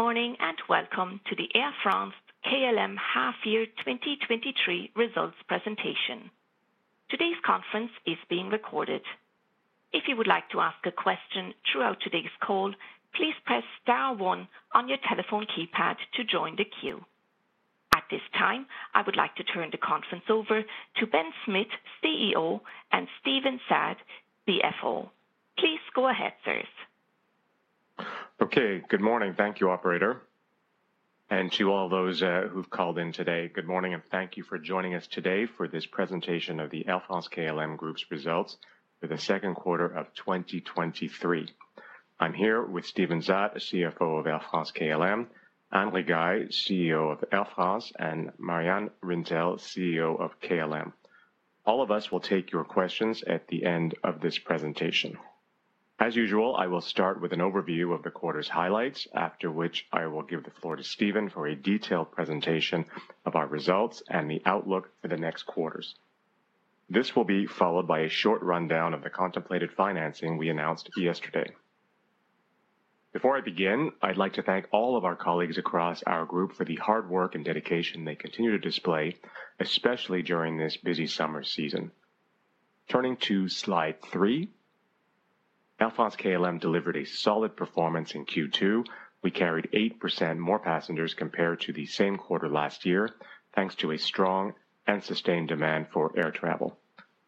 Good morning, and welcome to the Air France-KLM half year 2023 results presentation. Today's conference is being recorded. If you would like to ask a question throughout today's call, please press star one on your telephone keypad to join the queue. At this time, I would like to turn the conference over to Ben Smith, CEO, and Steven Zaat, CFO. Please go ahead, sirs. Okay. Good morning. Thank you, operator. To all those who've called in today, good morning, and thank you for joining us today for this presentation of the Air France-KLM Group's results for the Q2 of 2023. I'm here with Steven Zaat, CFO of Air France-KLM, Anne Rigail, CEO of Air France, and Marjan Rintel, CEO of KLM. All of us will take your questions at the end of this presentation. As usual, I will start with an overview of the quarter's highlights, after which I will give the floor to Steven for a detailed presentation of our results and the outlook for the next quarters. This will be followed by a short rundown of the contemplated financing we announced yesterday. Before I begin, I'd like to thank all of our colleagues across our group for the hard work and dedication they continue to display, especially during this busy summer season. Turning to Slide three, Air France-KLM delivered a solid performance in Q2. We carried 8% more passengers compared to the same quarter last year, thanks to a strong and sustained demand for air travel.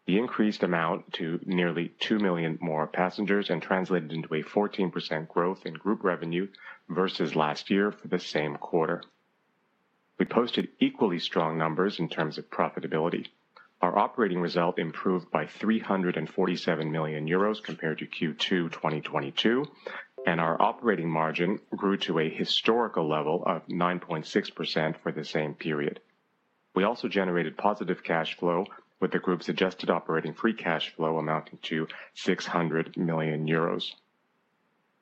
The increased amount to nearly 2 million more passengers and translated into a 14% growth in group revenue versus last year for the same quarter. We posted equally strong numbers in terms of profitability. Our operating result improved by 347 million euros compared to Q2 2022, and our operating margin grew to a historical level of 9.6% for the same period. We also generated positive cash flow, with the Group's adjusted operating free cash flow amounting to 600 million euros.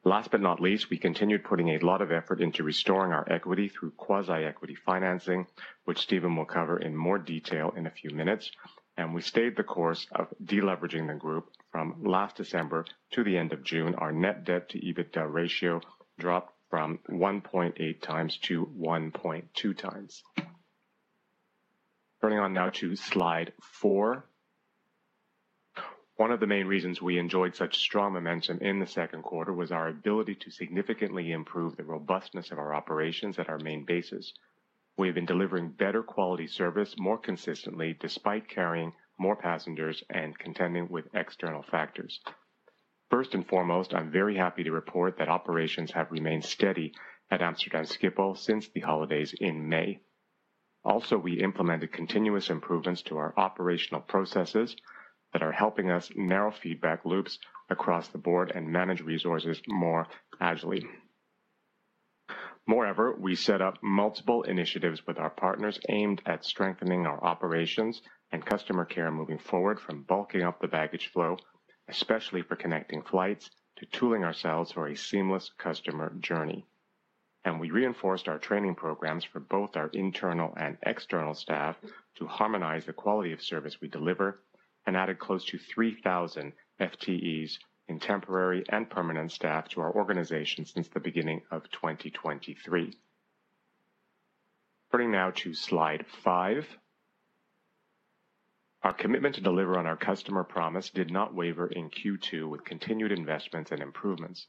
Last but not least, we continued putting a lot of effort into restoring our equity through quasi-equity financing, which Steven will cover in more detail in a few minutes. We stayed the course of deleveraging the Group from last December to the end of June. Our net debt to EBITDA ratio dropped from 1.8x-1.2x. Turning on now to Slide four. One of the main reasons we enjoyed such strong momentum in the Q2 was our ability to significantly improve the robustness of our operations at our main bases. We have been delivering better quality service more consistently, despite carrying more passengers and contending with external factors. First and foremost, I'm very happy to report that operations have remained steady at Amsterdam Schiphol since the holidays in May. Also, we implemented continuous improvements to our operational processes that are helping us narrow feedback loops across the board and manage resources more agilely. Moreover, we set up multiple initiatives with our partners aimed at strengthening our operations and customer care moving forward from bulking up the baggage flow, especially for connecting flights, to tooling ourselves for a seamless customer journey. We reinforced our training programs for both our internal and external staff to harmonize the quality of service we deliver and added close to 3,000 FTEs in temporary and permanent staff to our organization since the beginning of 2023. Turning now to Slide five. Our commitment to deliver on our customer promise did not waver in Q2, with continued investments and improvements.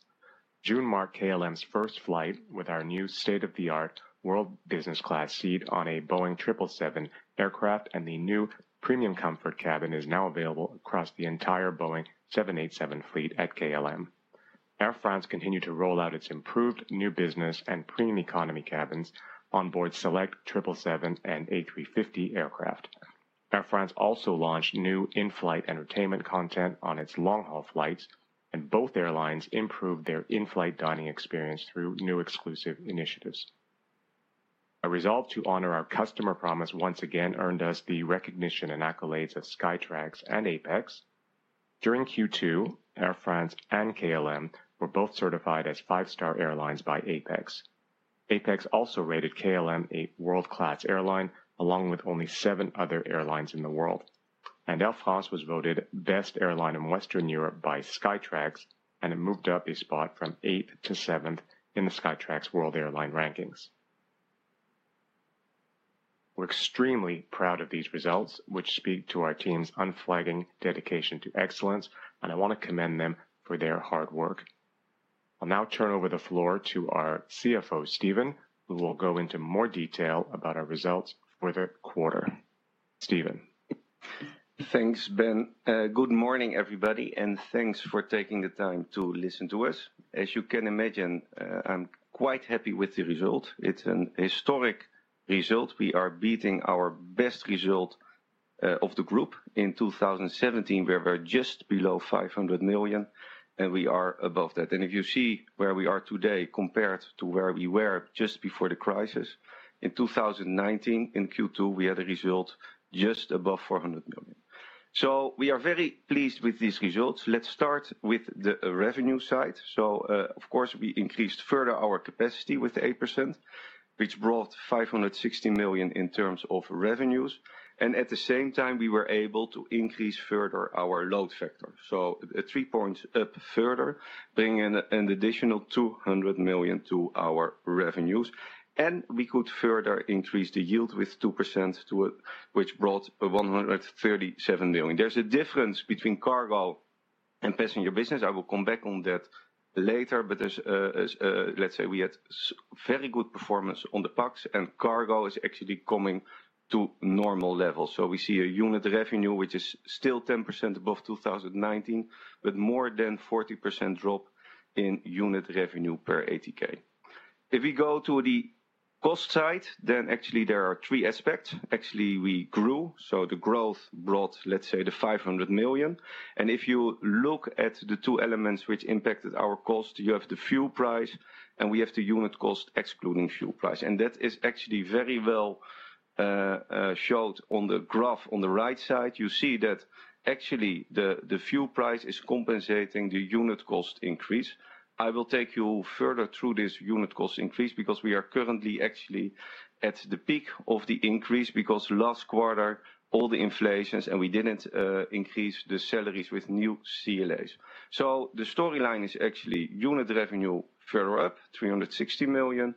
June marked KLM's first flight with our new state-of-the-art World Business Class seat on a Boeing 777 aircraft. The new Premium Comfort cabin is now available across the entire Boeing 787 fleet at KLM. Air France continued to roll out its improved new business and premium economy cabins on board select 777s and A350 aircraft. Air France also launched new in-flight entertainment content on its long-haul flights. Both airlines improved their in-flight dining experience through new exclusive initiatives. A resolve to honor our customer promise once again earned us the recognition and accolades of Skytrax and APEX. During Q2, Air France and KLM were both certified as five-star airlines by APEX. APEX also rated KLM a world-class airline, along with only seven other airlines in the world. Air France was voted best airline in Western Europe by Skytrax, and it moved up a spot from eighth to seventh in the Skytrax World Airline Rankings. We're extremely proud of these results, which speak to our team's unflagging dedication to excellence, and I want to commend them for their hard work. I'll now turn over the floor to our CFO, Steven, who will go into more detail about our results for the quarter. Steven? Thanks, Ben. Good morning, everybody, thanks for taking the time to listen to us. As you can imagine, I'm quite happy with the result. It's an historic result. We are beating our best result of the group in 2017, where we're just below 500 million. We are above that. If you see where we are today compared to where we were just before the crisis in 2019, in Q2, we had a result just above 400 million. We are very pleased with these results. Let's start with the revenue side. Of course, we increased further our capacity with 8%. which brought 560 million in terms of revenues. At the same time, we were able to increase further our load factor. At three points up further, bringing an additional 200 million to our revenues. We could further increase the yield with 2% to, which brought 137 million. There's a difference between cargo and passenger business. I will come back on that later, but there's, let's say we had very good performance on the pax, and cargo is actually coming to normal levels. We see a unit revenue, which is still 10% above 2019, but more than 40% drop in unit revenue per ATK. If we go to the cost side, actually there are three aspects. Actually, we grew, the growth brought, let's say, 500 million. If you look at the two elements which impacted our cost, you have the fuel price, and we have the unit cost, excluding fuel price. That is actually very well showed on the graph on the right side. You see that actually the fuel price is compensating the unit cost increase. I will take you further through this unit cost increase because we are currently actually at the peak of the increase, because last quarter, all the inflations, and we didn't increase the salaries with new CLAs. The storyline is actually unit revenue further up, 360 million.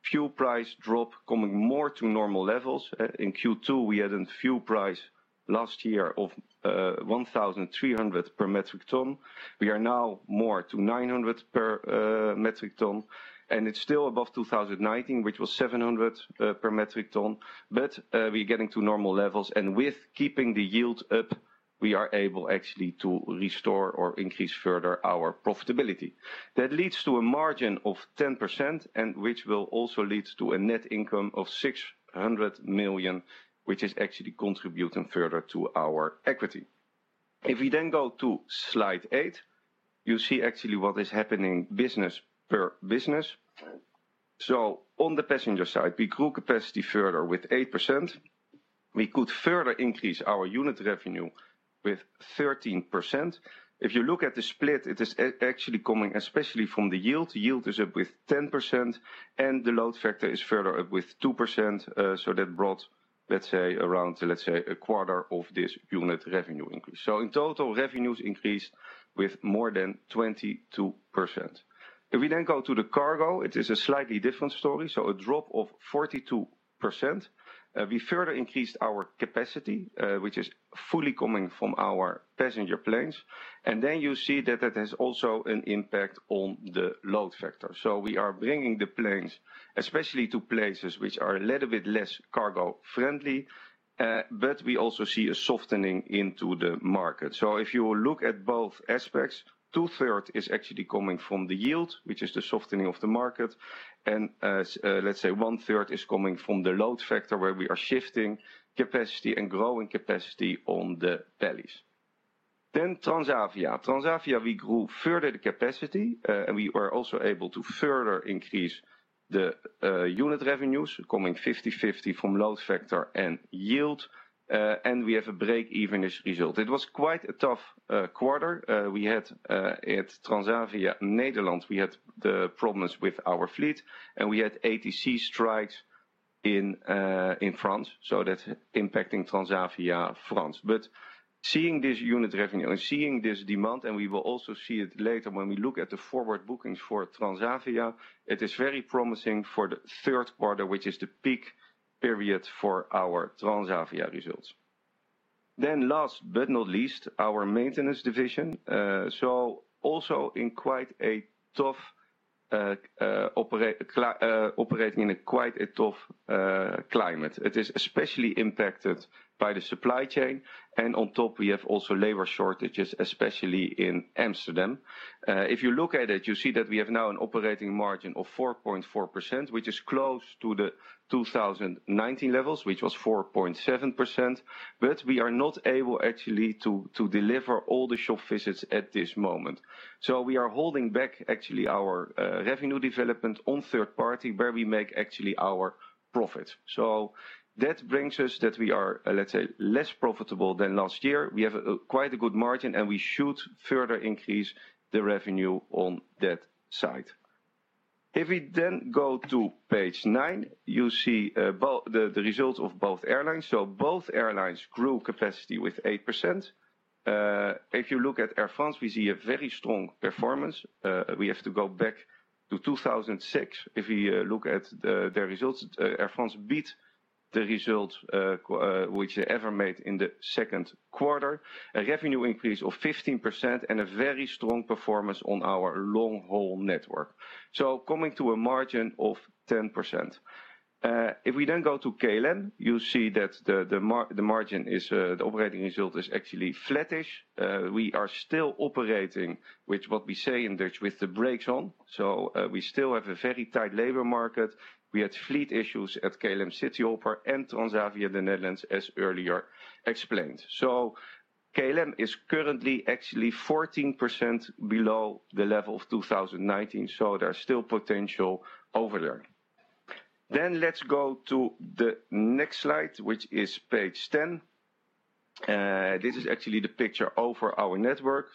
Fuel price drop coming more to normal levels. In Q2, we had a fuel price last year of 1,300 per metric ton. We are now more to 900 per metric ton, and it's still above 2019, which was 700 per metric ton. We're getting to normal levels, and with keeping the yield up, we are able actually to restore or increase further our profitability. That leads to a margin of 10%, and which will also lead to a net income of 600 million, which is actually contributing further to our equity. If we then go to slide eight, you see actually what is happening business per business. On the passenger side, we grew capacity further with 8%. We could further increase our unit revenue with 13%. If you look at the split, it is actually coming, especially from the yield. Yield is up with 10%, and the load factor is further up with 2%. That brought, let's say, around, let's say, a quarter of this unit revenue increase. In total, revenues increased with more than 22%. We then go to the cargo, it is a slightly different story, so a drop of 42%. We further increased our capacity, which is fully coming from our passenger planes, and then you see that it has also an impact on the load factor. We are bringing the planes, especially to places which are a little bit less cargo-friendly, but we also see a softening into the market. If you look at both aspects, 2/3 is actually coming from the yield, which is the softening of the market, and, let's say 1/3 is coming from the load factor, where we are shifting capacity and growing capacity on the bellies. Transavia. Transavia, we grew further the capacity, and we were also able to further increase the unit revenues, coming 50/50 from load factor and yield, and we have a break-even-ish result. It was quite a tough quarter. We had, at Transavia Netherlands, we had the problems with our fleet, and we had ATC strikes in France, so that's impacting Transavia France. Seeing this unit revenue and seeing this demand, and we will also see it later when we look at the forward bookings for Transavia, it is very promising for the Q3, which is the peak period for our Transavia results. Last but not least, our maintenance division. Also in quite a tough operating in a quite a tough climate. It is especially impacted by the supply chain, and on top, we have also labor shortages, especially in Amsterdam. If you look at it, you see that we have now an operating margin of 4.4%, which is close to the 2019 levels, which was 4.7%, but we are not able actually to, to deliver all the shop visits at this moment. We are holding back actually our revenue development on third party, where we make actually our profit. That brings us that we are, let's say, less profitable than last year. We have quite a good margin, and we should further increase the revenue on that side. If we go to page nine, you see the results of both airlines. Both airlines grew capacity with 8%. If you look at Air France, we see a very strong performance. We have to go back to 2006 if we look at the results. Air France beat the results, which they ever made in the Q2. A revenue increase of 15% and a very strong performance on our long-haul network. Coming to a margin of 10%. If we then go to KLM, you see that the margin is, the operating result is actually flattish. We are still operating, which what we say in Dutch, with the brakes on, we still have a very tight labor market. We had fleet issues at KLM Cityhopper and Transavia in the Netherlands, as earlier explained. KLM is currently actually 14% below the level of 2019, so there's still potential over there. Let's go to the next slide, which is page 10. This is actually the picture over our network.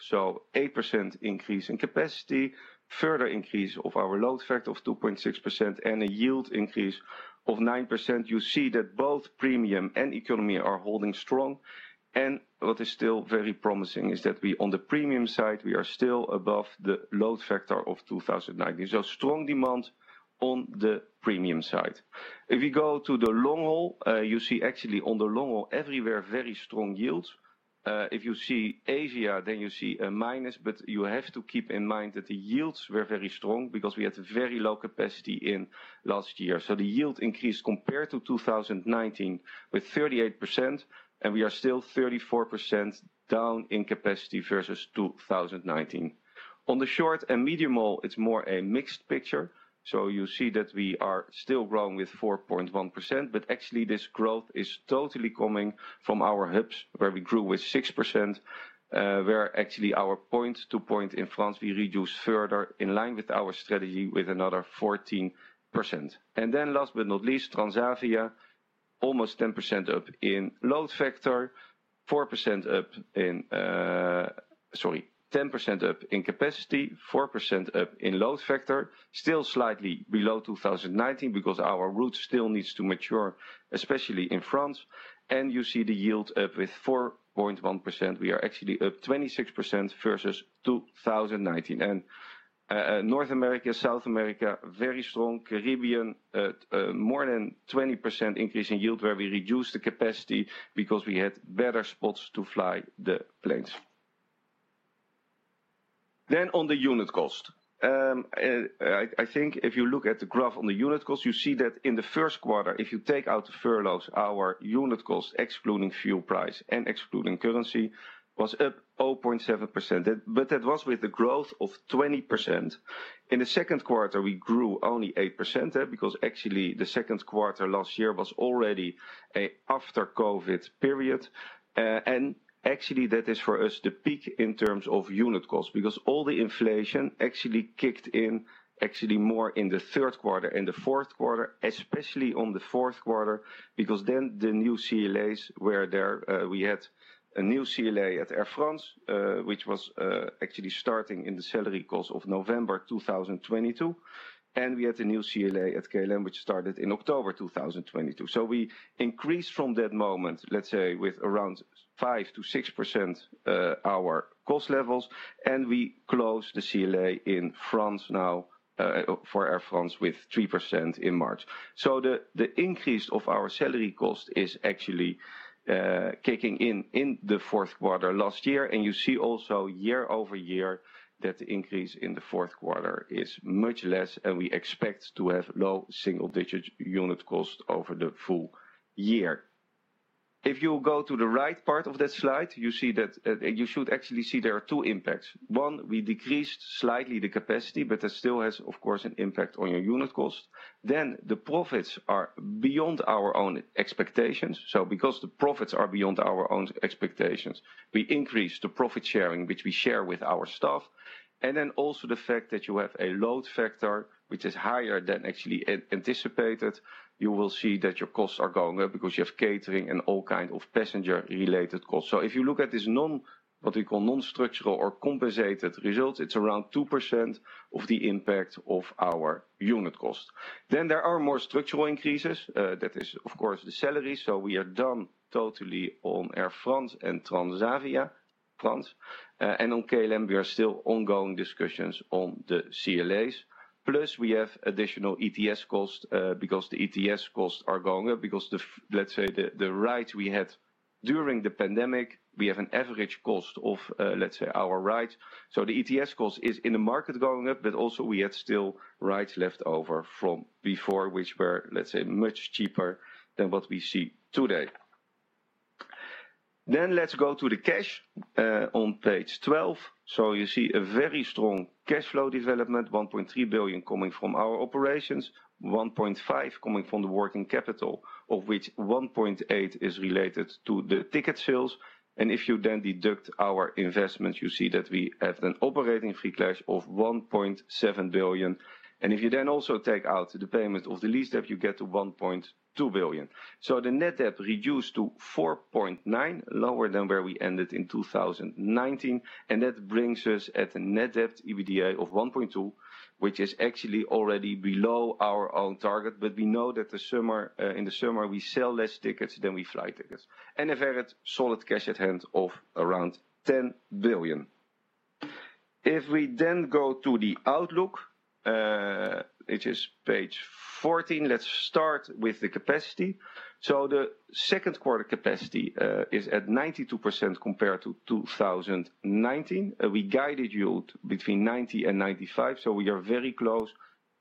8% increase in capacity, further increase of our load factor of 2.6%, and a yield increase of 9%. You see that both premium and economy are holding strong, and what is still very promising is that we, on the premium side, we are still above the load factor of 2019. Strong demand on the premium side. You go to the long haul, you see actually on the long haul, everywhere, very strong yields. If you see Asia, then you see a minus, but you have to keep in mind that the yields were very strong because we had a very low capacity in last year. The yield increased compared to 2019 with 38%, and we are still 34% down in capacity versus 2019. On the short and medium haul, it's more a mixed picture. You see that we are still growing with 4.1%, but actually this growth is totally coming from our hubs, where we grew with 6%, where actually our point to point in France, we reduced further in line with our strategy with another 14%. Then last but not least, Transavia, almost 10% up in load factor, 4% up in, Sorry, 10% up in capacity, 4% up in load factor. Still slightly below 2019 because our route still needs to mature, especially in France. You see the yield up with 4.1%. We are actually up 26% versus 2019. North America, South America, very strong. Caribbean, more than 20% increase in yield, where we reduced the capacity because we had better spots to fly the planes. On the unit cost. I think if you look at the graph on the unit cost, you see that in the first quarter, if you take out the furloughs, our unit cost, excluding fuel price and excluding currency, was up 0.7%. That was with the growth of 20%. In the Q2, we grew only 8%, because actually the Q2 last year was already a after-COVID period. Actually, that is for us, the peak in terms of unit cost, because all the inflation actually kicked in actually more in the Q3 and the Q4, especially on the Q4, because then the new CLAs were there. We had a new CLA at Air France, which was actually starting in the salary cost of November 2022, and we had a new CLA at KLM, which started in October 2022. We increased from that moment, let's say, with around 5%-6%, our cost levels, and we closed the CLA in France now, for Air France, with 3% in March. The, the increase of our salary cost is actually kicking in in the Q4 last year. You see also year-over-year, that the increase in the Q4 is much less, and we expect to have low single-digit unit cost over the full year. If you go to the right part of that slide, you see that, you should actually see there are two impacts. One, we decreased slightly the capacity, but that still has, of course, an impact on your unit cost. The profits are beyond our own expectations. Because the profits are beyond our own expectations, we increase the profit sharing, which we share with our staff. Also the fact that you have a load factor, which is higher than actually anticipated, you will see that your costs are going up because you have catering and all kind of passenger-related costs. If you look at this non, what we call non-structural or compensated results, it's around 2% of the impact of our unit cost. There are more structural increases. That is, of course, the salaries. We are done totally on Air France and Transavia, France. And on KLM, we are still ongoing discussions on the CLAs. We have additional ETS costs, because the ETS costs are going up because the let's say, the, the rights we had during the pandemic, we have an average cost of, let's say, our rights. The ETS cost is in the market going up, but also we had still rights left over from before, which were, let's say, much cheaper than what we see today. Let's go to the cash, on page 12. You see a very strong cash flow development, 1.3 billion coming from our operations, 1.5 milliocoming from the working capital, of which 1.8 million is related to the ticket sales. If you then deduct our investments, you see that we have an operating free cash of 1.7 billion. If you then also take out the payment of the lease debt, you get to 1.2 billion. The net debt reduced to 4.9, lower than where we ended in 2019, and that brings us at a net debt EBITDA of 1.2, which is actually already below our own target. We know that the summer, in the summer, we sell less tickets than we fly tickets. A very solid cash at hand of around 10 billion. We then go to the outlook, it is page 14. Let's start with the capacity. The Q2 capacity is at 92% compared to 2019. We guided you between 90% and 95%, so we are very close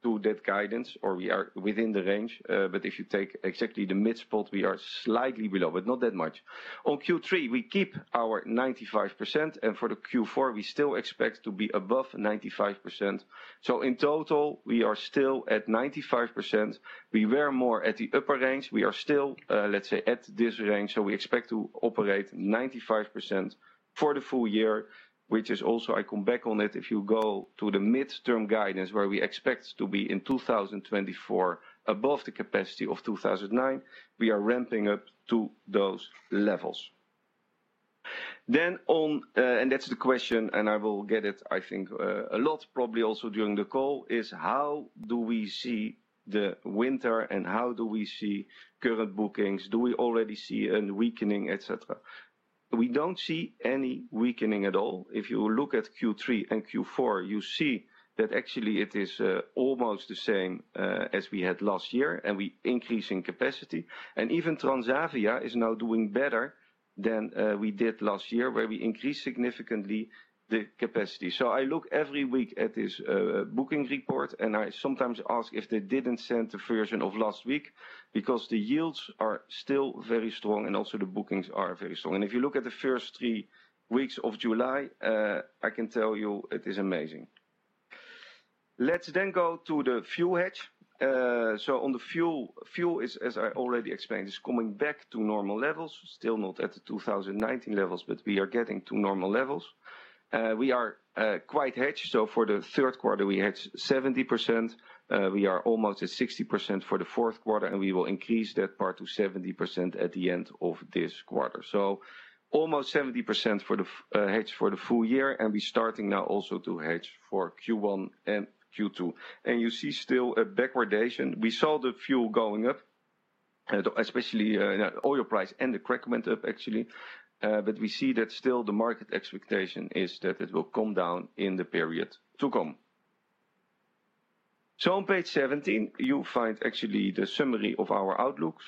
to that guidance, or we are within the range. If you take exactly the mid spot, we are slightly below, but not that much. On Q3, we keep our 95%, for the Q4, we still expect to be above 95%. In total, we are still at 95%. We were more at the upper range. We are still, let's say, at this range, so we expect to operate 95% for the full year, which is also, I come back on it, if you go to the midterm guidance, where we expect to be in 2024, above the capacity of 2009, we are ramping up to those levels. And that's the question, and I will get it, I think, a lot probably also during the call, is how do we see the winter and how do we see current bookings? Do we already see a weakening, et cetera? We don't see any weakening at all. If you look at Q3 and Q4, you see that actually it is almost the same as we had last year, and we increasing capacity. Even Transavia is now doing better than we did last year, where we increased significantly the capacity. I look every week at this booking report, and I sometimes ask if they didn't send the version of last week, because the yields are still very strong and also the bookings are very strong. If you look at the first three weeks of July, I can tell you it is amazing. Let's go to the fuel hedge. On the fuel, fuel is, as I already explained, is coming back to normal levels. Still not at the 2019 levels, but we are getting to normal levels. We are quite hedged, so for the Q3, we hedged 70%. We are almost at 60% for the Q4, and we will increase that part to 70% at the end of this quarter. Almost 70% for the hedge for the full year, and we're starting now also to hedge for Q1 and Q2. You see still a backwardation. We saw the fuel going up, especially, oil price and the crack went up actually. We see that still the market expectation is that it will come down in the period to come. On page 17, you find actually the summary of our outlook.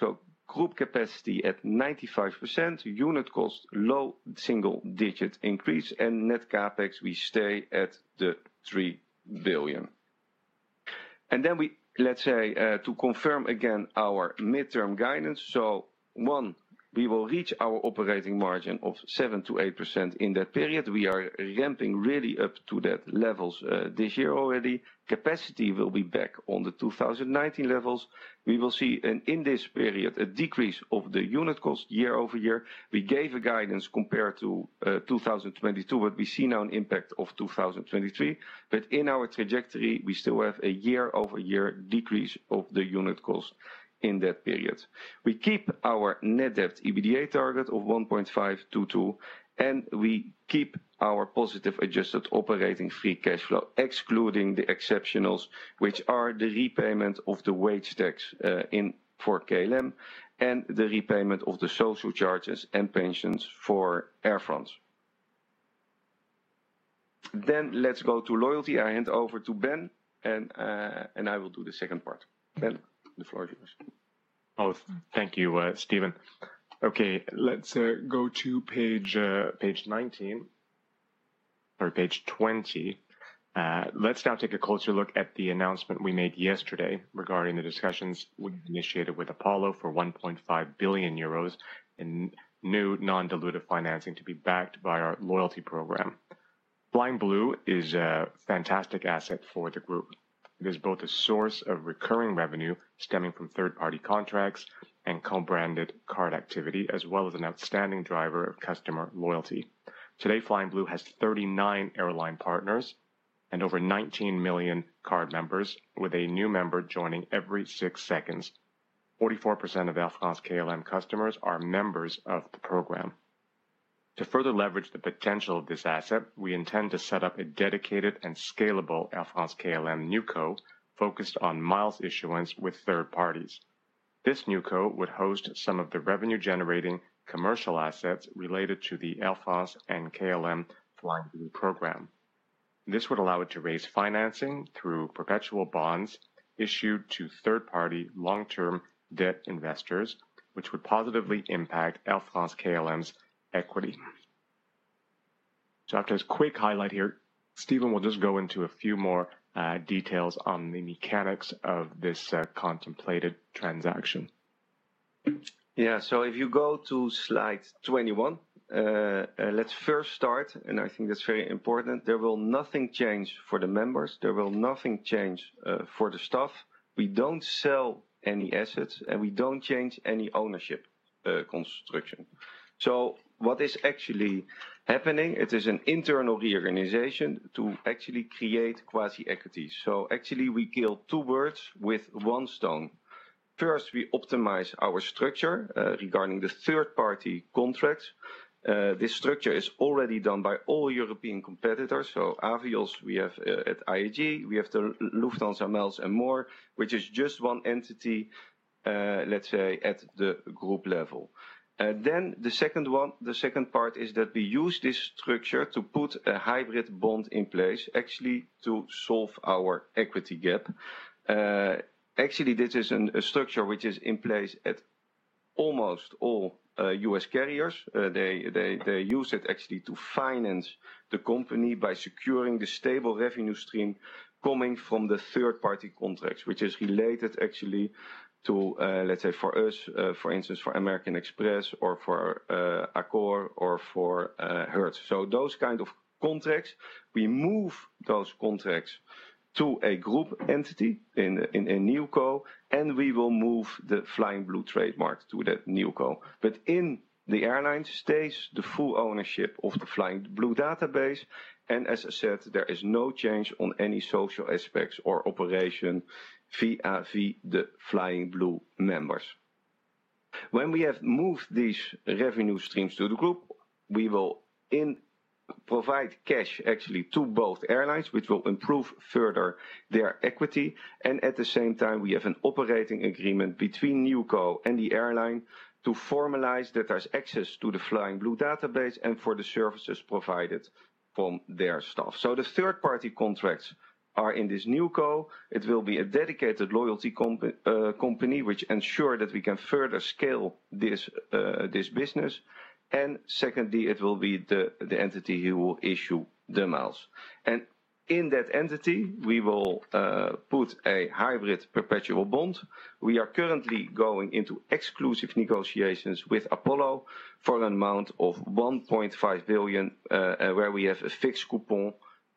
Group capacity at 95%, unit cost low single-digit increase, and net CapEx, we stay at the 3 billion. Then we, let's say, to confirm again our midterm guidance. One, we will reach our operating margin of 7%-8% in that period. We are ramping really up to that levels this year already. Capacity will be back on the 2019 levels. We will see in, in this period a decrease of the unit cost year-over-year. We gave a guidance compared to 2022, but we see now an impact of 2023. In our trajectory, we still have a year-over-year decrease of the unit cost in that period. We keep our net debt EBITDA target of 1.5-2.0, and we keep our positive adjusted operating free cash flow, excluding the exceptionals, which are the repayment of the wage tax in for KLM, and the repayment of the social charges and pensions for Air France. Let's go to loyalty. I hand over to Ben, and I will do the second part. Ben, the floor is yours. Thank you, Steven Zaat. Let's go to page 19 or page 20. Let's now take a closer look at the announcement we made yesterday regarding the discussions we've initiated with Apollo for 1.5 billion euros in new non-dilutive financing to be backed by our loyalty program. Flying Blue is a fantastic asset for the group. It is both a source of recurring revenue stemming from third-party contracts and co-branded card activity, as well as an outstanding driver of customer loyalty. Today, Flying Blue has 39 airline partners and over 19 million card members, with a new member joining every six seconds. 44% of Air France-KLM customers are members of the program. To further leverage the potential of this asset, we intend to set up a dedicated and scalable Air France-KLM NewCo focused on miles issuance with third parties. This NewCo would host some of the revenue-generating commercial assets related to the Air France and KLM Flying Blue program. This would allow it to raise financing through perpetual bonds issued to third-party long-term debt investors, which would positively impact Air France-KLM's equity. After this quick highlight here, Steven will just go into a few more details on the mechanics of this contemplated transaction. Yeah. If you go to slide 21, let's first start, and I think that's very important. There will nothing change for the members. There will nothing change for the staff. We don't sell any assets, and we don't change any ownership construction. What is actually happening, it is an internal reorganization to actually create quasi equity. Actually, we kill two birds with one stone. First, we optimize our structure regarding the third-party contracts. This structure is already done by all European competitors. Avios, we have at IAG, we have the Lufthansa Miles and More, which is just one entity, let's say, at the group level. The second one, the second part is that we use this structure to put a hybrid bond in place, actually, to solve our equity gap. Actually, this is a structure which is in place at almost all U.S. carriers. They use it actually to finance the company by securing the stable revenue stream coming from the third-party contracts, which is related actually to, let's say, for us, for instance, for American Express or for Accor or for Hertz. Those kind of contracts, we move those contracts to a group entity in a NewCo, and we will move the Flying Blue trademark to that NewCo. In the airline stays the full ownership of the Flying Blue database, and as I said, there is no change on any social aspects or operation vis-a-vis the Flying Blue members. When we have moved these revenue streams to the group, we will provide cash actually to both airlines, which will improve further their equity. At the same time, we have an operating agreement between NewCo and the airline to formalize that there's access to the Flying Blue database and for the services provided from their staff. The third-party contracts are in this NewCo. It will be a dedicated loyalty comp, company, which ensure that we can further scale this business. Secondly, it will be the entity who will issue the miles. In that entity, we will put a hybrid perpetual bond. We are currently going into exclusive negotiations with Apollo for an amount of 1.5 billion, where we have a fixed coupon,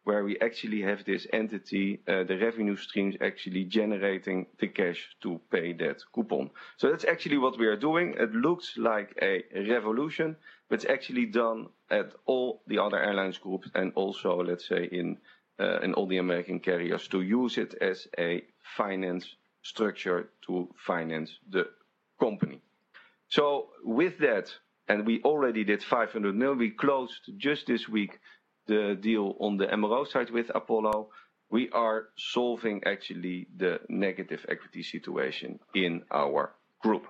where we actually have this entity, the revenue streams actually generating the cash to pay that coupon. That's actually what we are doing. It looks like a revolution, but it's actually done at all the other airline groups and also, let's say, in, in all the American carriers, to use it as a finance structure to finance the company. With that, and we already did 500 million, we closed just this week, the deal on the MRO side with Apollo. We are solving actually the negative equity situation in our Group.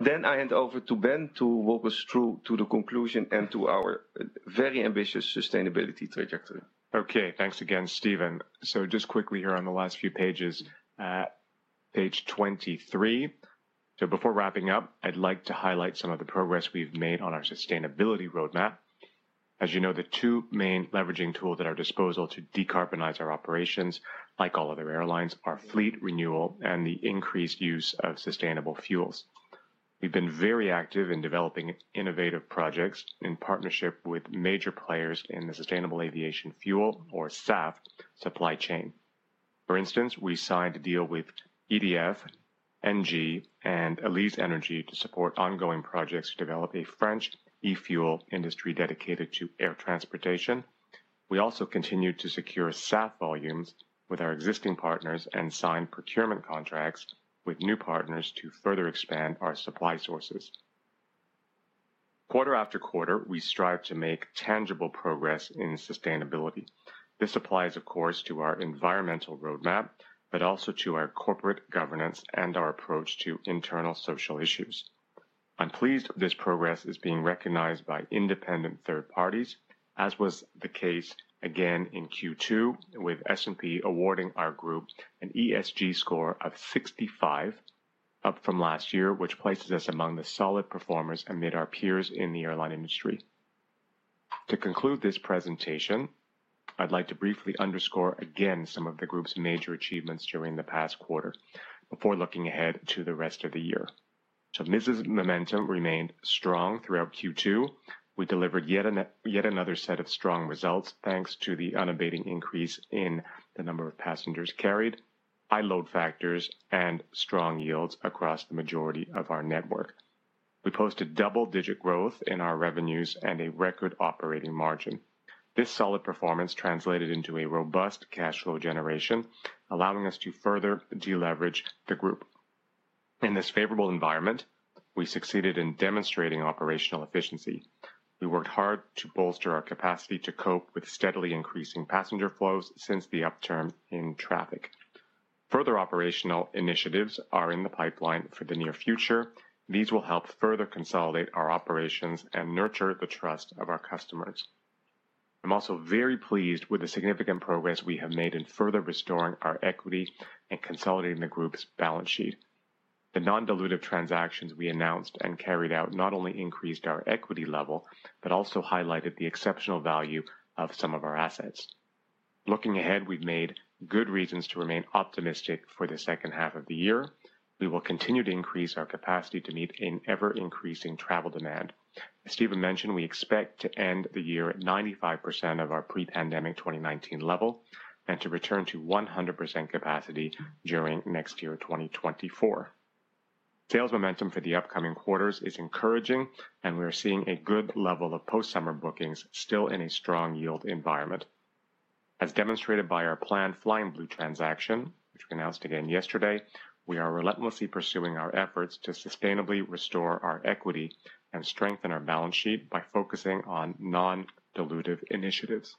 I hand over to Ben to walk us through to the conclusion and to our very ambitious sustainability trajectory. Okay, thanks again, Steven. Just quickly here on the last few pages, page 23. Before wrapping up, I'd like to highlight some of the progress we've made on our sustainability roadmap. As you know, the two main leveraging tools at our disposal to decarbonize our operations, like all other airlines, are fleet renewal and the increased use of sustainable fuels. We've been very active in developing innovative projects in partnership with major players in the sustainable aviation fuel or SAF supply chain. For instance, we signed a deal with EDF, NG, and Elyse Energy to support ongoing projects to develop a French e-fuel industry dedicated to air transportation. We also continued to secure SAF volumes with our existing partners and signed procurement contracts with new partners to further expand our supply sources. Quarter after quarter, we strive to make tangible progress in sustainability. This applies, of course, to our environmental roadmap, but also to our corporate governance and our approach to internal social issues. I'm pleased this progress is being recognized by independent third parties, as was the case again in Q2, with S&P awarding our group an ESG score of 65, up from last year, which places us among the solid performers amid our peers in the airline industry. To conclude this presentation, I'd like to briefly underscore again some of the group's major achievements during the past quarter before looking ahead to the rest of the year. This momentum remained strong throughout Q2. We delivered yet another set of strong results, thanks to the unabating increase in the number of passengers carried, high load factors, and strong yields across the majority of our network. We posted double-digit growth in our revenues and a record operating margin. This solid performance translated into a robust cash flow generation, allowing us to further deleverage the Group. In this favorable environment, we succeeded in demonstrating operational efficiency. We worked hard to bolster our capacity to cope with steadily increasing passenger flows since the upturn in traffic. Further operational initiatives are in the pipeline for the near future. These will help further consolidate our operations and nurture the trust of our customers. I'm also very pleased with the significant progress we have made in further restoring our equity and consolidating the Group's balance sheet. The non-dilutive transactions we announced and carried out not only increased our equity level, but also highlighted the exceptional value of some of our assets. Looking ahead, we've made good reasons to remain optimistic for the H2 of the year. We will continue to increase our capacity to meet an ever-increasing travel demand. As Steven mentioned, we expect to end the year at 95% of our pre-pandemic 2019 level and to return to 100% capacity during next year, 2024. Sales momentum for the upcoming quarters is encouraging, and we are seeing a good level of post-summer bookings still in a strong yield environment. As demonstrated by our planned Flying Blue transaction, which we announced again yesterday, we are relentlessly pursuing our efforts to sustainably restore our equity and strengthen our balance sheet by focusing on non-dilutive initiatives.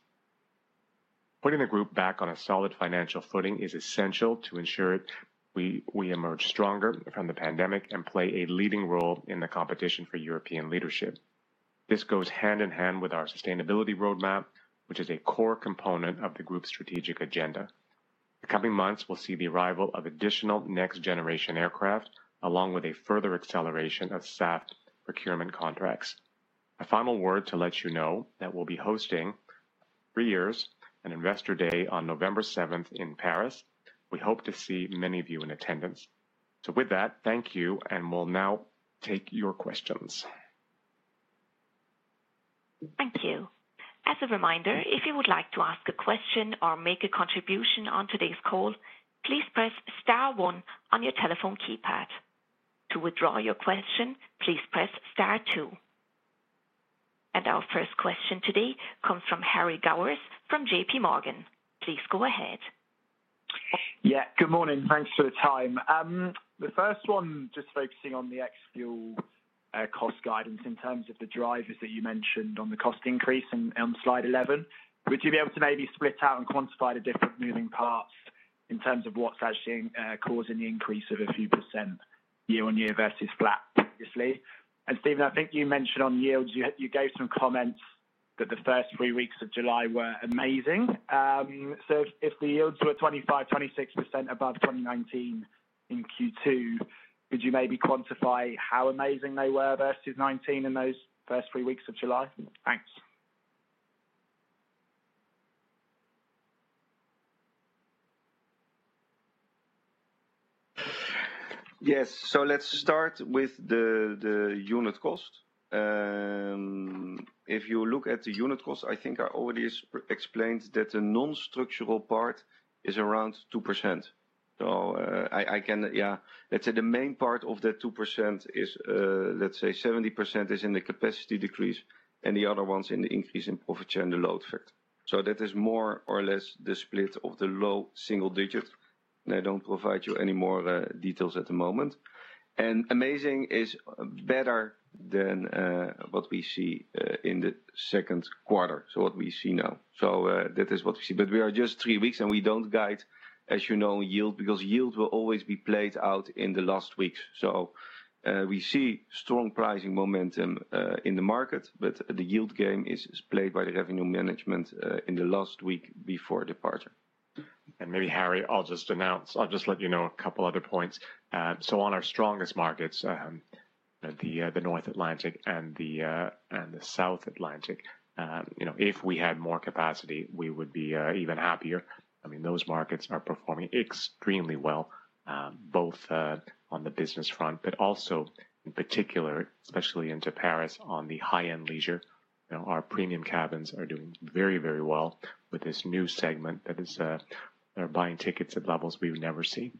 Putting the group back on a solid financial footing is essential to ensure we emerge stronger from the pandemic and play a leading role in the competition for European leadership. This goes hand in hand with our sustainability roadmap, which is a core component of the group's strategic agenda. The coming months will see the arrival of additional next-generation aircraft, along with a further acceleration of SAF procurement contracts. A final word to let you know that we'll be hosting three years, an Investor Day on November seventh in Paris. We hope to see many of you in attendance. With that, thank you, and we'll now take your questions. Thank you. As a reminder, if you would like to ask a question or make a contribution on today's call, please press star one on your telephone keypad. To withdraw your question, please press star two. Our first question today comes from Harry Gowers from JPMorgan. Please go ahead. Yeah, good morning. Thanks for the time. The first one, just focusing on the ex-fuel cost guidance in terms of the drivers that you mentioned on the cost increase on slide 11. Would you be able to maybe split out and quantify the different moving parts in terms of what's actually causing the increase of a few percent year-on-year versus flat previously? Steven, I think you mentioned on yields, you, you gave some comments that the first three weeks of July were amazing. If the yields were 25%-26% above 2019 in Q2, could you maybe quantify how amazing they were versus 2019 in those first three weeks of July? Thanks. Yes. Let's start with the unit cost. If you look at the unit cost, I think I already explained that the non-structural part is around 2%. Let's say the main part of that 2% is, let's say 70% is in the capacity decrease, and the other one's in the increase in profit share and the load effect. That is more or less the split of the low single digits, and I don't provide you any more details at the moment. Amazing is better than what we see in the Q2, so what we see now. That is what we see. We are just three weeks, and we don't guide, as you know, yield, because yield will always be played out in the last weeks. We see strong pricing momentum in the market, but the yield game is, is played by the revenue management in the last week before departure. Maybe, Harry, I'll just announce... I'll just let you know a couple other points. On our strongest markets, the North Atlantic and the South Atlantic, you know, if we had more capacity, we would be even happier. I mean, those markets are performing extremely well, both on the business front, but also in particular, especially into Paris, on the high-end leisure. You know, our premium cabins are doing very, very well with this new segment that is, they're buying tickets at levels we've never seen.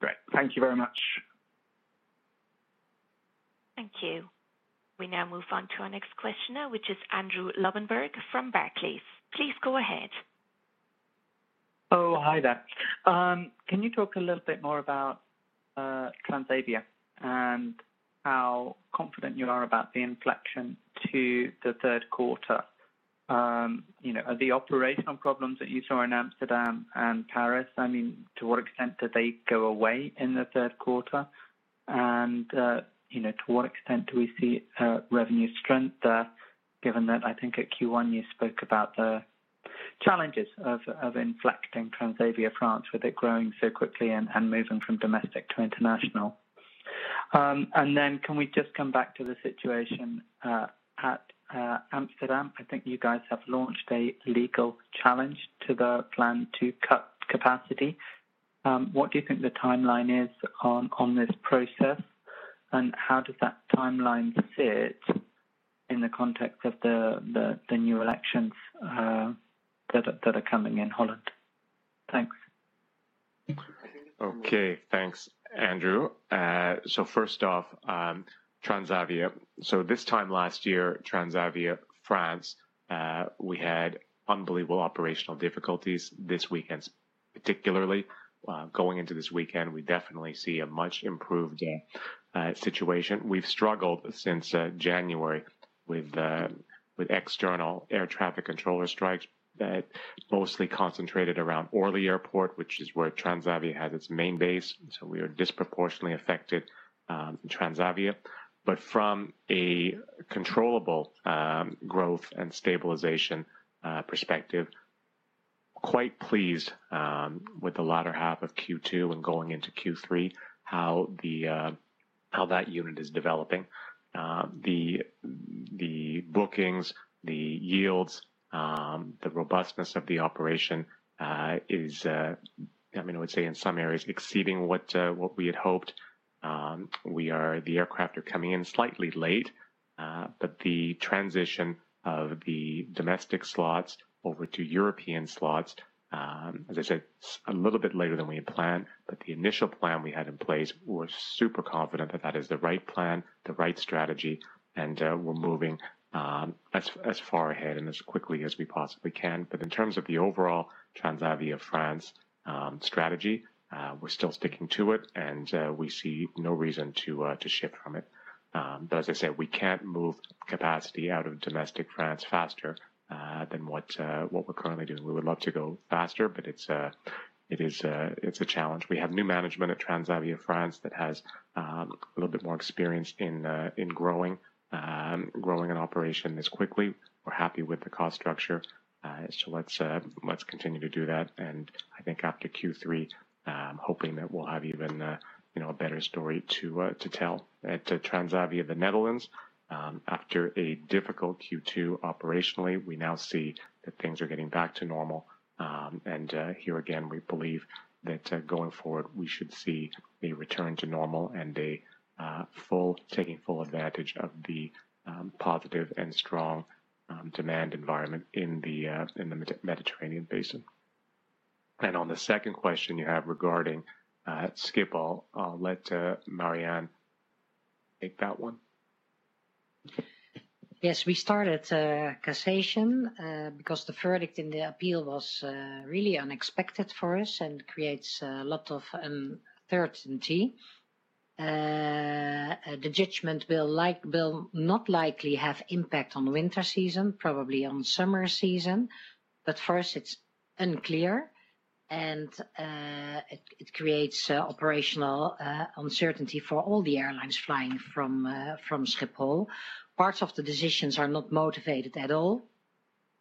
Great. Thank you very much. Thank you. We now move on to our next questioner, which is Andrew Lobbenberg from Barclays. Please go ahead. Hi there. Can you talk a little bit more about Transavia and how confident you are about the inflection to the Q3? You know, are the operational problems that you saw in Amsterdam and Paris, I mean, to what extent do they go away in the Q3? You know, to what extent do we see revenue strength there, given that I think at Q1 you spoke about the challenges of, of inflecting Transavia France, with it growing so quickly and, and moving from domestic to international? Can we just come back to the situation at Amsterdam? I think you guys have launched a legal challenge to the plan to cut capacity. What do you think the timeline is on, on this process, and how does that timeline sit in the context of the, the, the new elections that are, that are coming in Holland? Thanks. Okay, thanks, Andrew. First off, Transavia. This time last year, Transavia France, we had unbelievable operational difficulties this weekend. Particularly, going into this weekend, we definitely see a much improved situation. We've struggled since January with external air traffic controller strikes that mostly concentrated around Orly Airport, which is where Transavia has its main base. We are disproportionately affected in Transavia. From a controllable, growth and stabilization, perspective, quite pleased with the latter half of Q2 and going into Q3, how that unit is developing. The bookings, the yields, the robustness of the operation, is, I mean, I would say in some areas exceeding what we had hoped. The aircraft are coming in slightly late, but the transition of the domestic slots over to European slots, as I said, a little bit later than we had planned, but the initial plan we had in place, we're super confident that that is the right plan, the right strategy, and we're moving as, as far ahead and as quickly as we possibly can. In terms of the overall Transavia France strategy, we're still sticking to it, and we see no reason to shift from it. As I said, we can't move capacity out of domestic France faster than what we're currently doing. We would love to go faster, but it's, it is, it's a challenge. We have new management at Transavia France that has a little bit more experience in growing, growing an operation this quickly. We're happy with the cost structure, so let's let's continue to do that. I think after Q3, I'm hoping that we'll have even a, you know, a better story to tell. At Transavia of the Netherlands, after a difficult Q2 operationally, we now see that things are getting back to normal. Here again, we believe that going forward, we should see a return to normal and taking full advantage of the positive and strong demand environment in the Mediter- Mediterranean basin. On the second question you have regarding Schiphol, I'll let Marjan take that one. Yes, we started cassation because the verdict in the appeal was really unexpected for us and creates a lot of uncertainty. The judgment will not likely have impact on winter season, probably on summer season, but first it's unclear, and it, it creates operational uncertainty for all the airlines flying from from Schiphol. Parts of the decisions are not motivated at all,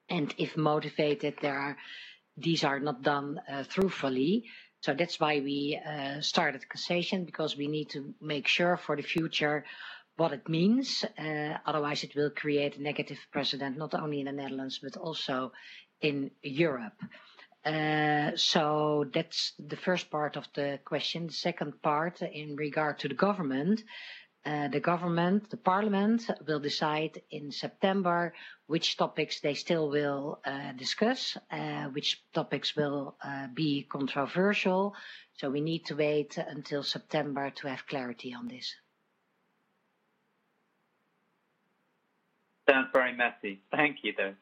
and if motivated, these are not done truthfully. That's why we started the cassation, because we need to make sure for the future what it means, otherwise it will create a negative precedent, not only in the Netherlands, but also in Europe. That's the first part of the question. The second part, in regard to the government. The government, the parliament, will decide in September which topics they still will discuss, which topics will be controversial. We need to wait until September to have clarity on this. Sounds very messy. Thank you, though.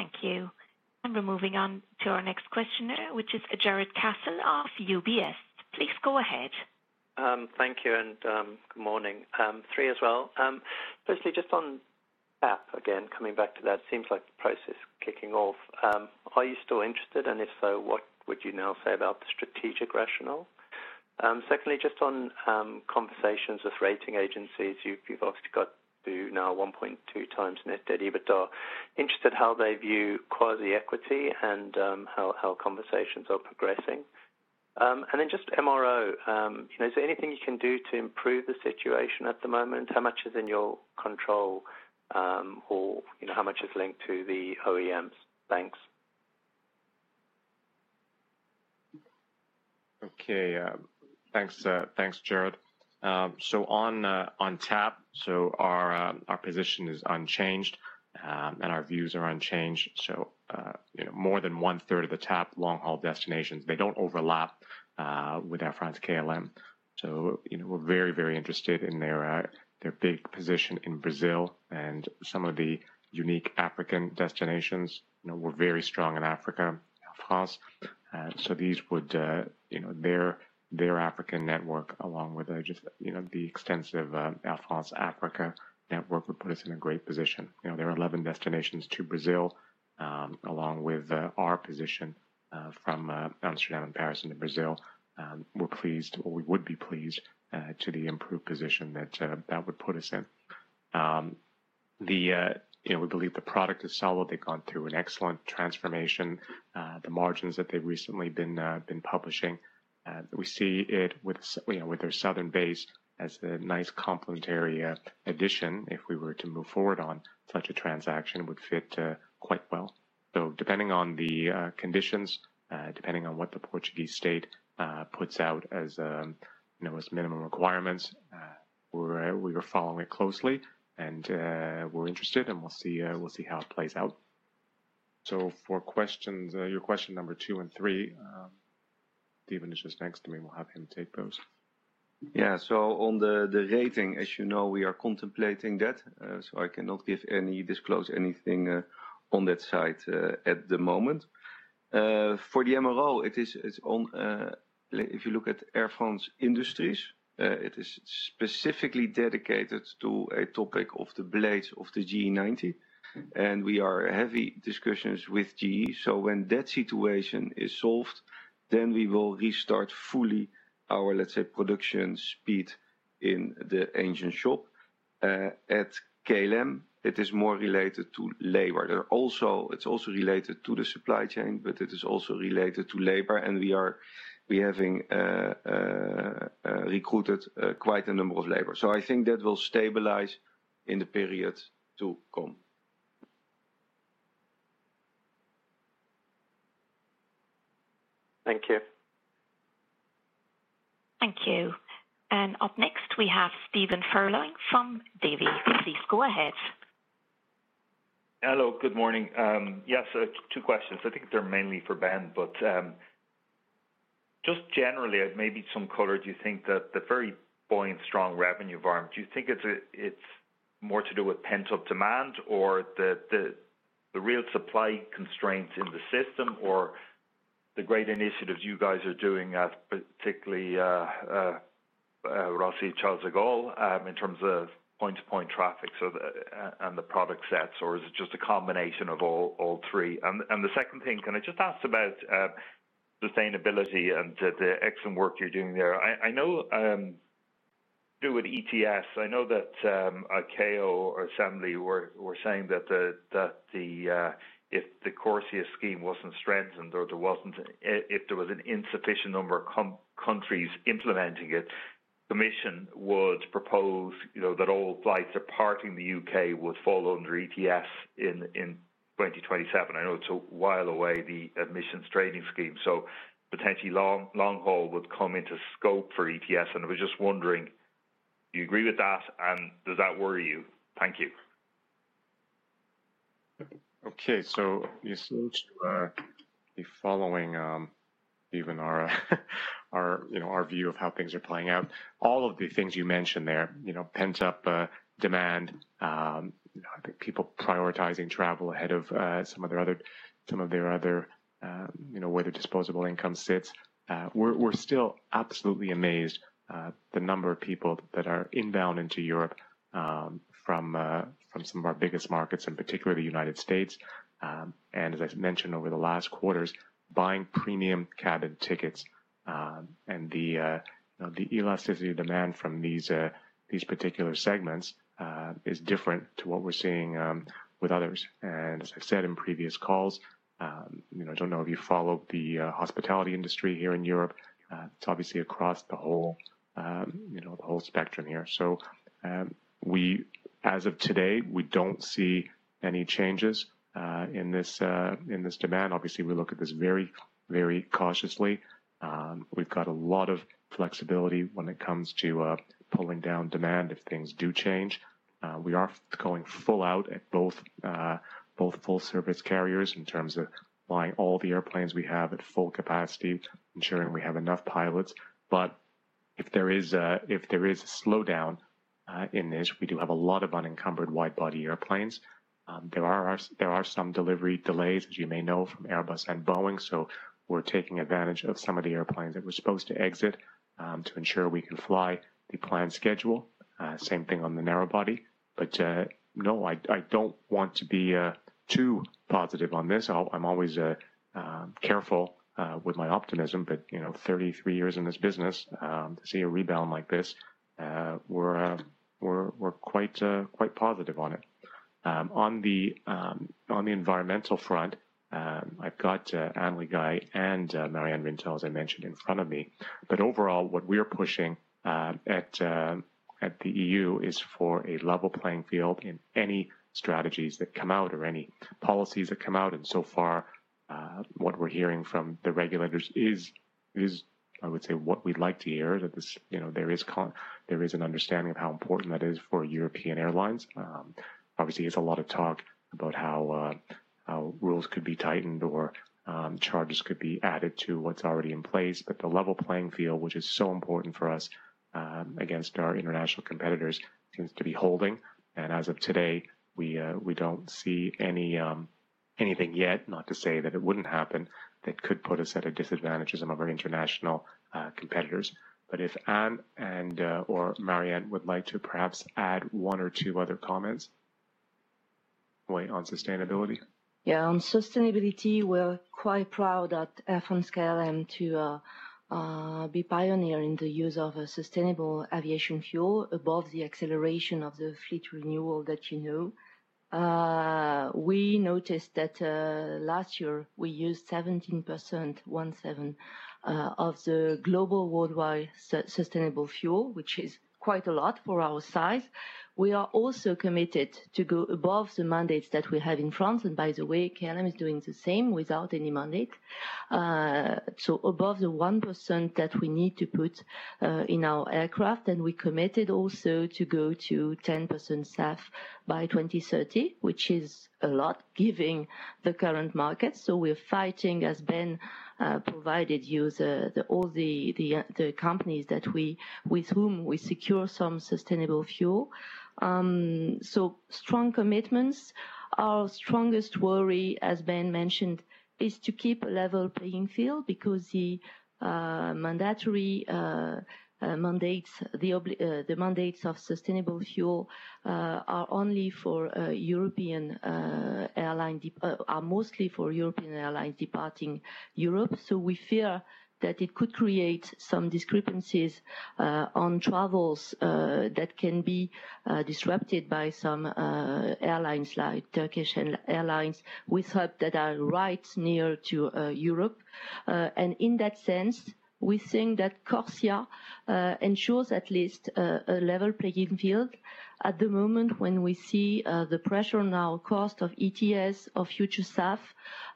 Thank you. We're moving on to our next questioner, which is Jarrod Castle of UBS. Please go ahead. Thank you, and good morning. Three as well. Firstly, just on TAP again, coming back to that, seems like the process is kicking off. Are you still interested, and if so, what would you now say about the strategic rationale? Secondly, just on conversations with rating agencies, you've, you've obviously got to now 1.2x net debt, EBITDA. Interested how they view quasi-equity and how, how conversations are progressing. Then just MRO, you know, is there anything you can do to improve the situation at the moment? How much is in your control, or, you know, how much is linked to the OEMs? Thanks. Okay, thanks, thanks, Jarred. On Tap, our position is unchanged, and our views are unchanged. You know, more than 1/3 of the Tap long-haul destinations, they don't overlap with Air France-KLM. You know, we're very, very interested in their big position in Brazil and some of the unique African destinations. You know, we're very strong in Africa, Air France, these would, you know, their, their African network, along with, just, you know, the extensive, Air France Africa network, would put us in a great position. You know, there are 11 destinations to Brazil, along with, our position, from, Amsterdam and Paris into Brazil. We're pleased, or we would be pleased, to the improved position that, that would put us in. The, you know, we believe the product is solid. They've gone through an excellent transformation. The margins that they've recently been publishing, we see it with you know, with their southern base as a nice complementary addition. If we were to move forward on such a transaction, it would fit quite well. Depending on the conditions, depending on what the Portuguese state puts out as, you know, as minimum requirements, we're, we are following it closely, and we're interested, and we'll see, we'll see how it plays out. For questions, your question number two and three, Steven is just next to me. We'll have him take those. Yeah. On the, the rating, as you know, we are contemplating that, so I cannot give any, disclose anything, on that side, at the moment. For the MRO, it is, it's on, if you look at Air France Industries, it is specifically dedicated to a topic of the blades of the GE 90, and we are heavy discussions with GE. When that situation is solved, then we will restart fully our, let's say, production speed in the engine shop. At KLM, it is more related to labor. It's also related to the supply chain, but it is also related to labor, and we are, we having, recruited, quite a number of labor. I think that will stabilize in the period to come. Thank you. Thank you. Up next, we have Stephen Furlong from Davy. Please go ahead. Hello, good morning. Yes, two questions. I think they're mainly for Ben, but just generally, maybe some color, do you think that the very buoyant, strong revenue environment, do you think it's, it's more to do with pent-up demand or the real supply constraints in the system, or the great initiatives you guys are doing, particularly Roissy-Charles de Gaulle, in terms of point-to-point traffic, so, and the product sets, or is it just a combination of all three? The second thing, can I just ask about sustainability and the excellent work you're doing there? I know, do with ETS, I know that ICAO Assembly were saying that the if the CORSIA scheme wasn't strengthened or there wasn't... If there was an insufficient number of countries implementing it, the commission would propose, you know, that all flights departing the UK would fall under ETS in, in 2027. I know it's a while away, the Emissions Trading Scheme, so potentially long, long haul would come into scope for ETS, and I was just wondering.... Do you agree with that, does that worry you? Thank you. Okay, you seem to be following, even our our, you know, our view of how things are playing out. All of the things you mentioned there, you know, pent-up demand, you know, I think people prioritizing travel ahead of some of their other, some of their other, you know, where their disposable income sits. We're, we're still absolutely amazed, the number of people that are inbound into Europe, from from some of our biggest markets, in particular, the United States. As I've mentioned over the last quarters, buying premium cabin tickets, and the the elasticity of demand from these, these particular segments, is different to what we're seeing with others. As I've said in previous calls, you know, I don't know if you follow the hospitality industry here in Europe. It's obviously across the whole, you know, the whole spectrum here. As of today, we don't see any changes in this demand. Obviously, we look at this very, very cautiously. We've got a lot of flexibility when it comes to pulling down demand if things do change. We are going full out at both both full service carriers in terms of flying all the airplanes we have at full capacity, ensuring we have enough pilots. If there is a, if there is a slowdown in this, we do have a lot of unencumbered wide-body airplanes. There are, there are some delivery delays, as you may know, from Airbus and Boeing, so we're taking advantage of some of the airplanes that were supposed to exit, to ensure we can fly the planned schedule. Same thing on the narrow body. No, I, I don't want to be too positive on this. I'm, I'm always careful with my optimism, but, you know, 33 years in this business, to see a rebound like this, we're, we're quite, quite positive on it. On the, on the environmental front, I've got Anne Rigail and Marjan Rintel, as I mentioned, in front of me. Overall, what we are pushing at the EU is for a level playing field in any strategies that come out or any policies that come out. So far, what we're hearing from the regulators is, I would say, what we'd like to hear, that this, you know, there is an understanding of how important that is for European airlines. Obviously, there's a lot of talk about how rules could be tightened or charges could be added to what's already in place. The level playing field, which is so important for us, against our international competitors, seems to be holding. As of today, we don't see any anything yet, not to say that it wouldn't happen, that could put us at a disadvantage as some of our international competitors. If Anne and, or Marjan would like to perhaps add one or two other comments on sustainability. Yeah. On sustainability, we're quite proud at Air France-KLM to be pioneer in the use of a sustainable aviation fuel above the acceleration of the fleet renewal that you know. We noticed that last year we used 17%, 17, of the global worldwide sustainable fuel, which is quite a lot for our size. We are also committed to go above the mandates that we have in France, and by the way, KLM is doing the same without any mandate. Above the 1% that we need to put in our aircraft, and we committed also to go to 10% SAF by 2030, which is a lot, giving the current market. We're fighting, as Ben provided you all the companies with whom we secure some sustainable fuel. Strong commitments. Our strongest worry, as Ben mentioned, is to keep a level playing field because the mandatory mandates, the mandates of sustainable fuel, are only for European airline are mostly for European airlines departing Europe. We fear that it could create some discrepancies on travels that can be disrupted by some airlines like Turkish Airlines, we hope, that are right near to Europe. In that sense, we think that CORSIA ensures at least a level playing field. At the moment, when we see the pressure on our cost of ETS, of future SAF,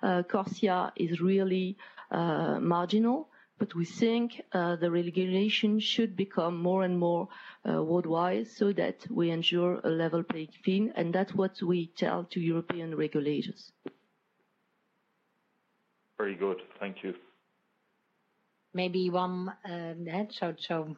CORSIA is really marginal. We think, the regulation should become more and more, worldwide so that we ensure a level playing field, and that's what we tell to European regulators. Very good. Thank you. Maybe one add, so, so,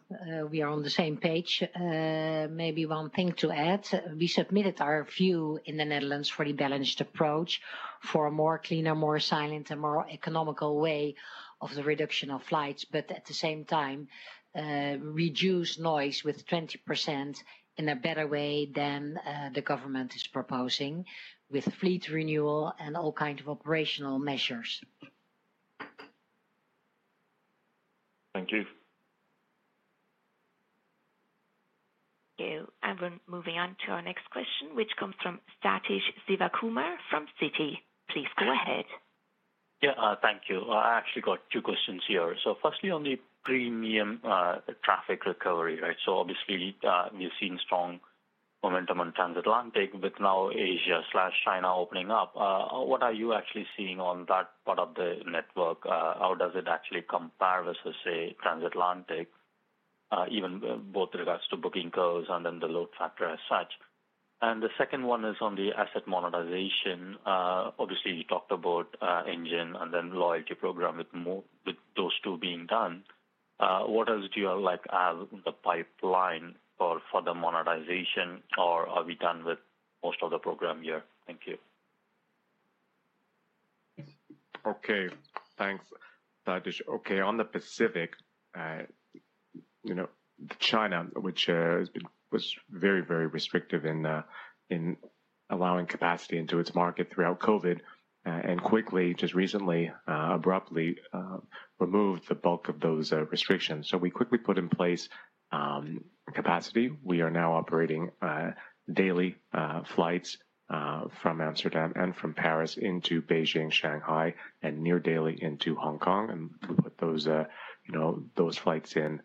we are on the same page. Maybe one thing to add, we submitted our view in the Netherlands for the balanced approach for a more cleaner, more silent, and more economical way of the reduction of flights, but at the same time, reduce noise with 20% in a better way than the government is proposing, with fleet renewal and all kinds of operational measures. Thank you. Thank you. We're moving on to our next question, which comes from Sathish Sivakumar from Citi. Please go ahead. Yeah, thank you. I actually got two questions here. Firstly, on the premium traffic recovery, right? Obviously, we've seen momentum on transatlantic, but now Asia/China opening up. What are you actually seeing on that part of the network? How does it actually compare versus, say, transatlantic, even both in regards to booking curves and then the load factor as such? The second one is on the asset monetization. Obviously, you talked about engine and then loyalty program with more, with those two being done. What else do you all like have the pipeline for further monetization, or are we done with most of the program here? Thank you. Okay, thanks, Sathish. Okay, on the Pacific, you know, China, which was very, very restrictive in allowing capacity into its market throughout COVID, and quickly, just recently, abruptly removed the bulk of those restrictions. We quickly put in place capacity. We are now operating daily flights from Amsterdam and from Paris into Beijing, Shanghai, and near daily into Hong Kong. We put those, you know, those flights in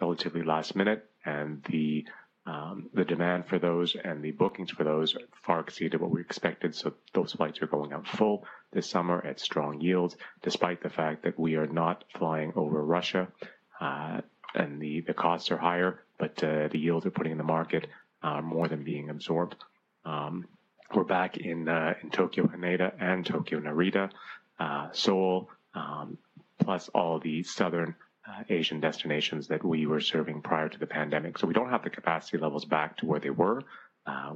relatively last minute, and the demand for those and the bookings for those far exceeded what we expected, so those flights are going out full this summer at strong yields, despite the fact that we are not flying over Russia. The costs are higher, but the yields are putting in the market are more than being absorbed. We're back in in Tokyo, Haneda and Tokyo, Narita, Seoul, plus all the southern Asian destinations that we were serving prior to the pandemic. We don't have the capacity levels back to where they were.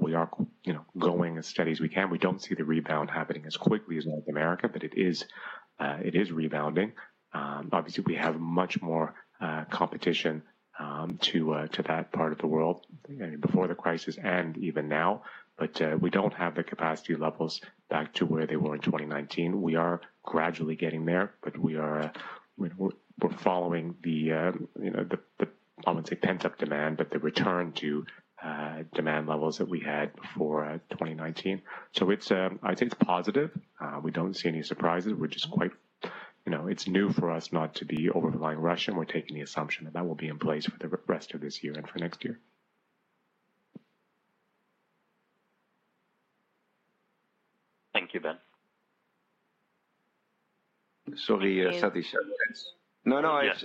We are, you know, going as steady as we can. We don't see the rebound happening as quickly as North America, but it is it is rebounding. Obviously, we have much more competition to that part of the world before the crisis and even now. We don't have the capacity levels back to where they were in 2019. We are gradually getting there, but we are, we're, we're following the, you know, the, the, I would say, pent-up demand, but the return to demand levels that we had before 2019. It's, I'd say it's positive. We don't see any surprises, which is quite. You know, it's new for us not to be overflying Russia, and we're taking the assumption that that will be in place for the rest of this year and for next year. Thank you, Ben. Sorry, Sathish. No, no. Yes.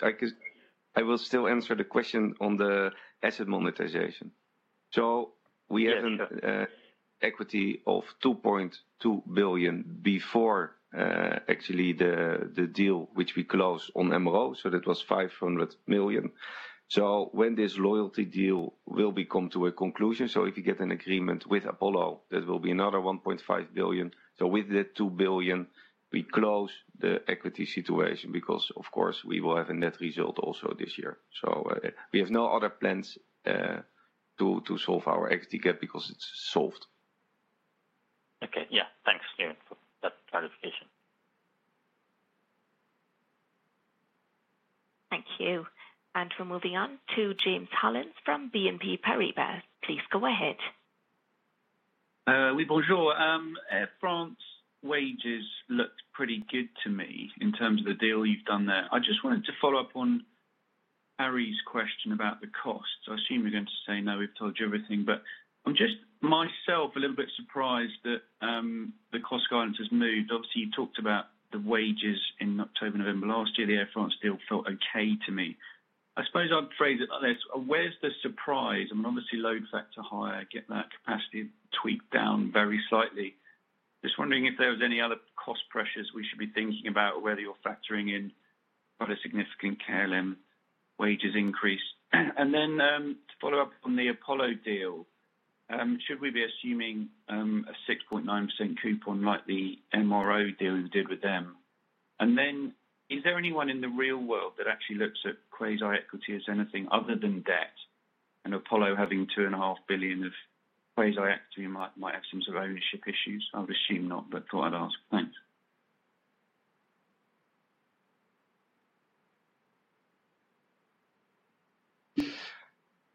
I will still answer the question on the asset monetization. We have- Yes, sure. ...equity of 2.2 billion before, actually, the, the deal which we closed on MRO. That was 500 million. When this loyalty deal will be come to a conclusion, if you get an agreement with Apollo, that will be another 1.5 billion. With the 2 billion, we close the equity situation because, of course, we will have a net result also this year. We have no other plans to solve our equity gap because it's solved. Okay. Yeah. Thanks, Benjamin, for that clarification. Thank you. We're moving on to James Hollins from BNP Paribas. Please go ahead. Oui, bonjour. Air France wages looked pretty good to me in terms of the deal you've done there. I just wanted to follow up on Harry's question about the costs. I assume you're going to say, "No, we've told you everything," but I'm just myself a little bit surprised that the cost guidance has moved. Obviously, you talked about the wages in October, November last year. The Air France deal felt okay to me. I suppose I'd phrase it like this: Where's the surprise? I mean, obviously, load factor higher, get that capacity tweaked down very slightly. Just wondering if there was any other cost pressures we should be thinking about, whether you're factoring in other significant KLM wages increase. To follow up on the Apollo deal, should we be assuming a 6.9% coupon like the MRO deal you did with them? Is there anyone in the real world that actually looks at quasi-equity as anything other than debt, and Apollo having 2.5 billion of quasi-equity might, might have some sort of ownership issues? I would assume not, but thought I'd ask. Thanks.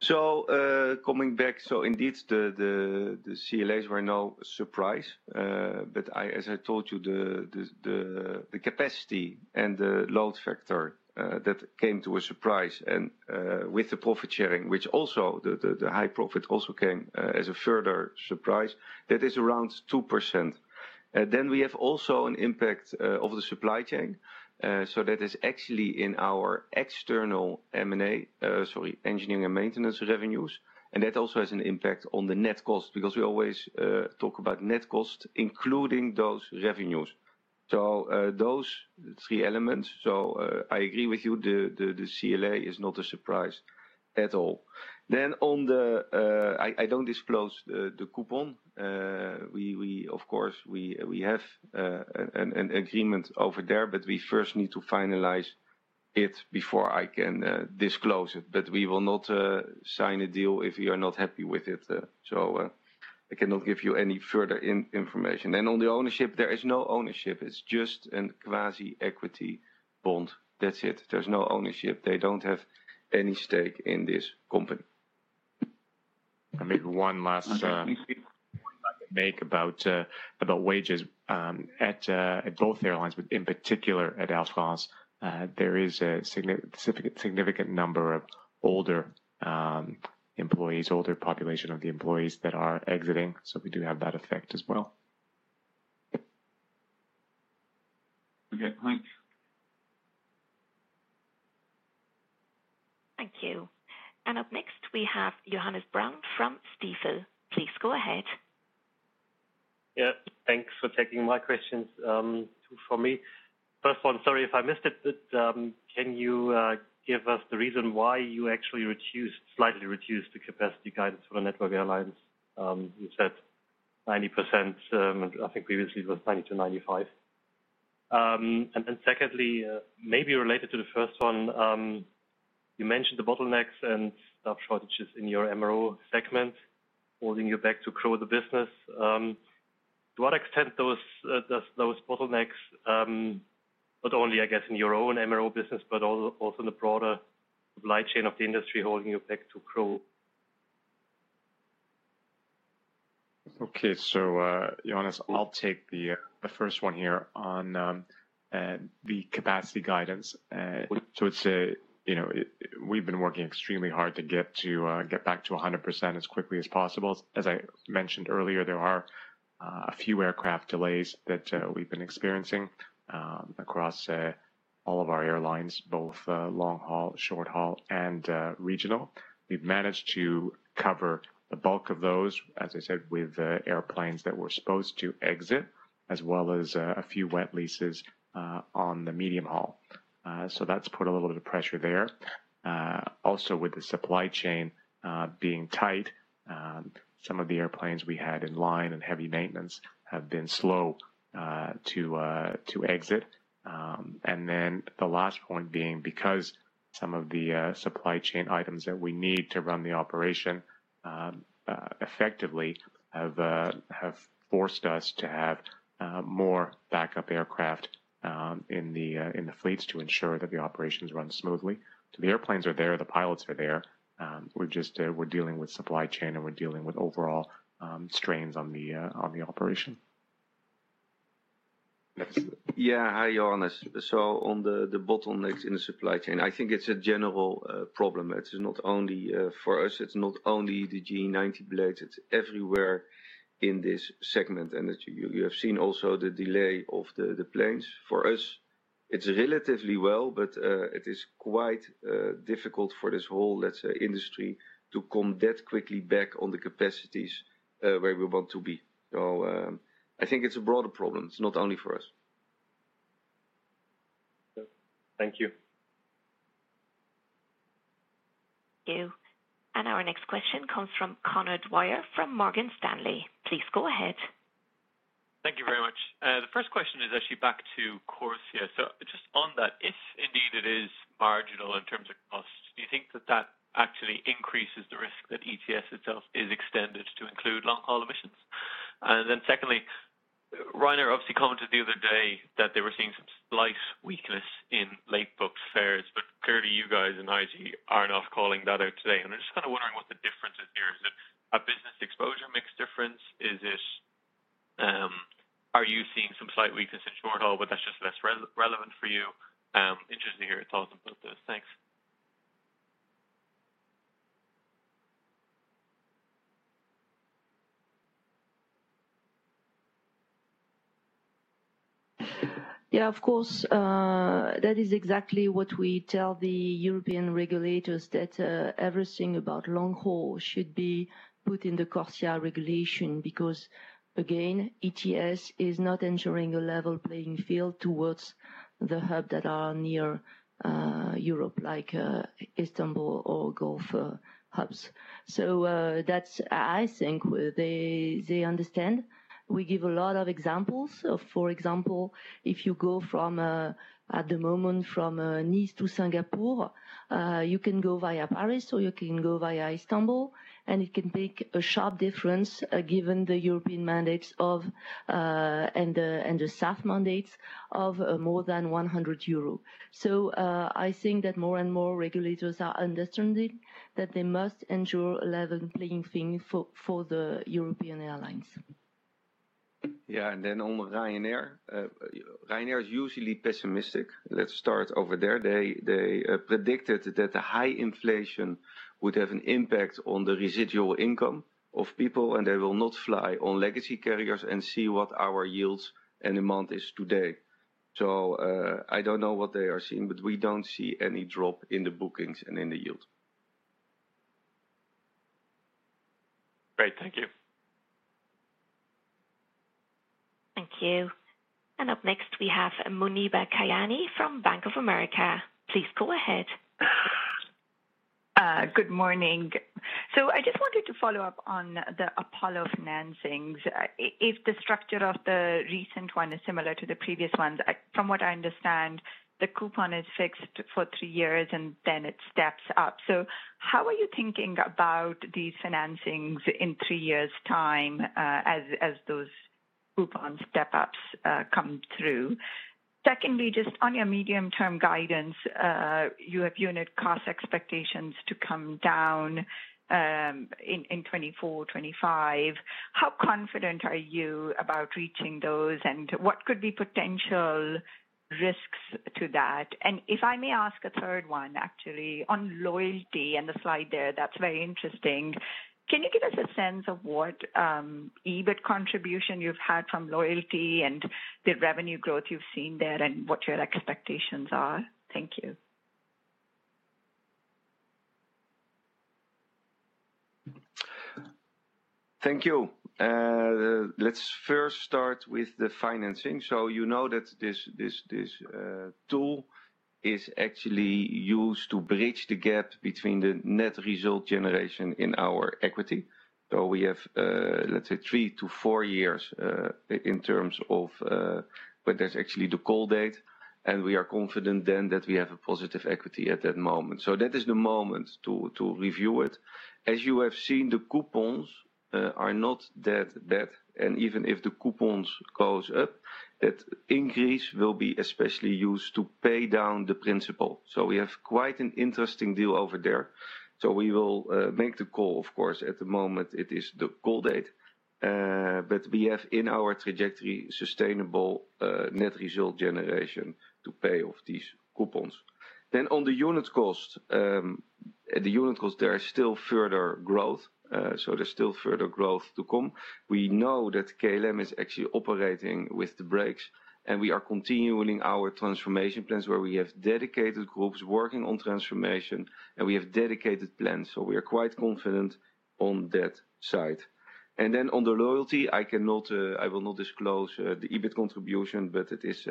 Coming back, indeed, the, the, the CLAs were no surprise. As I told you, the, the, the, the capacity and the load factor, that came to a surprise, with the profit sharing, which also the, the, the high profit also came as a further surprise, that is around 2%. We have also an impact of the supply chain. That is actually in our external M&A, sorry, engineering and maintenance revenues, and that also has an impact on the net cost, because we always talk about net cost, including those revenues. Those three elements, I agree with you, the, the, the CLA is not a surprise at all. On the, I, I don't disclose the, the coupon. We, we, of course, we, we have an agreement over there. We first need to finalize it before I can disclose it. We will not sign a deal if we are not happy with it. I cannot give you any further information. On the ownership, there is no ownership. It's just an quasi-equity bond. That's it. There's no ownership. They don't have any stake in this company. Maybe one last make about about wages at at both airlines, but in particular at Air France. There is a significant number of older employees, older population of the employees that are exiting, so we do have that effect as well. Okay, thanks. Thank you. Up next, we have Johannes Braun from Stifel. Please go ahead. Yeah, thanks for taking my questions. Two for me. First one, sorry if I missed it, but can you give us the reason why you actually reduced, slightly reduced the capacity guidance for the network airlines? You said 90%, I think previously it was 90%-95%. Secondly, maybe related to the first one, you mentioned the bottlenecks and staff shortages in your MRO segment, holding you back to grow the business. To what extent those, those, those bottlenecks, not only, I guess, in your own MRO business, but also in the broader supply chain of the industry, holding you back to grow? Johannes, I'll take the first one here on the capacity guidance. You know, we've been working extremely hard to get back to 100% as quickly as possible. As I mentioned earlier, there are a few aircraft delays that we've been experiencing across all of our airlines, both long haul, short haul, and regional. We've managed to cover the bulk of those, as I said, with airplanes that were supposed to exit, as well as a few wet leases on the medium haul. That's put a little bit of pressure there. Also, with the supply chain being tight, some of the airplanes we had in line and heavy maintenance have been slow to exit. The last point being, because some of the supply chain items that we need to run the operation effectively have forced us to have more backup aircraft in the fleets to ensure that the operations run smoothly. The airplanes are there, the pilots are there. We're just, we're dealing with supply chain, and we're dealing with overall strains on the operation. Yeah. Hi, Johannes. On the, the bottlenecks in the supply chain, I think it's a general problem. It's not only for us, it's not only the GE90 blades, it's everywhere in this segment. You, you have seen also the delay of the, the planes. For us, it's relatively well, but it is quite difficult for this whole, let's say, industry, to come that quickly back on the capacities, where we want to be. I think it's a broader problem. It's not only for us. Thank you. Thank you. Our next question comes from Conor Dwyer from Morgan Stanley. Please go ahead. Thank you very much. The first question is actually back to CORSIA. Just on that, if indeed it is marginal in terms of cost, do you think that that actually increases the risk that ETS itself is extended to include long-haul emissions? Then secondly, Ryanair obviously commented the other day that they were seeing some slight weakness in late book fares, but clearly you guys in Air France aren't off calling that out today. I'm just kind of wondering what the difference is here. Is it a business exposure mix difference? Is it, are you seeing some slight weakness in short haul, but that's just less relevant for you? Interested to hear your thoughts about this. Thanks. Yeah, of course. That is exactly what we tell the European regulators, that everything about long haul should be put in the CORSIA regulation, because, again, ETS is not ensuring a level playing field towards the hub that are near Europe, like Istanbul or Gulf hubs. That's... I think they understand. We give a lot of examples. For example, if you go from at the moment, from Nice to Singapore, you can go via Paris or you can go via Istanbul, and it can make a sharp difference, given the European mandates of and the and the SAF mandates of more than 100 euro. I think that more and more regulators are understanding that they must ensure a level playing field for the European airlines. Yeah. On Ryanair. Ryanair is usually pessimistic. Let's start over there. They, they, predicted that the high inflation would have an impact on the residual income of people, and they will not fly on legacy carriers and see what our yields and demand is today. I don't know what they are seeing, but we don't see any drop in the bookings and in the yield. Great. Thank you. Thank you. Up next, we have Muneeba Kayani from Bank of America. Please go ahead. Good morning. I just wanted to follow up on the Apollo financings. If the structure of the recent one is similar to the previous ones, from what I understand, the coupon is fixed for three years, and then it steps up. How are you thinking about these financings in three years' time, as those coupon step-ups come through? Secondly, just on your medium-term guidance, you have unit cost expectations to come down in 2024, 2025. How confident are you about reaching those, and what could be potential risks to that? If I may ask a third one, actually, on loyalty and the slide there, that's very interesting. Can you give us a sense of what EBIT contribution you've had from loyalty and the revenue growth you've seen there and what your expectations are? Thank you. Thank you. Let's first start with the financing. You know that this, this, this tool is actually used to bridge the gap between the net result generation in our equity. We have, let's say, three to four years in terms of, but that's actually the call date, and we are confident then that we have a positive equity at that moment. That is the moment to, to review it. As you have seen, the coupons are not that bad, and even if the coupons goes up, that increase will be especially used to pay down the principal. We have quite an interesting deal over there. We will make the call, of course. At the moment, it is the call date, but we have in our trajectory sustainable net result generation to pay off these coupons. On the unit cost, the unit cost, there are still further growth, so there's still further growth to come. We know that KLM is actually operating with the brakes, and we are continuing our transformation plans, where we have dedicated groups working on transformation, and we have dedicated plans. We are quite confident on that side. On the loyalty, I cannot, I will not disclose the EBIT contribution, but it is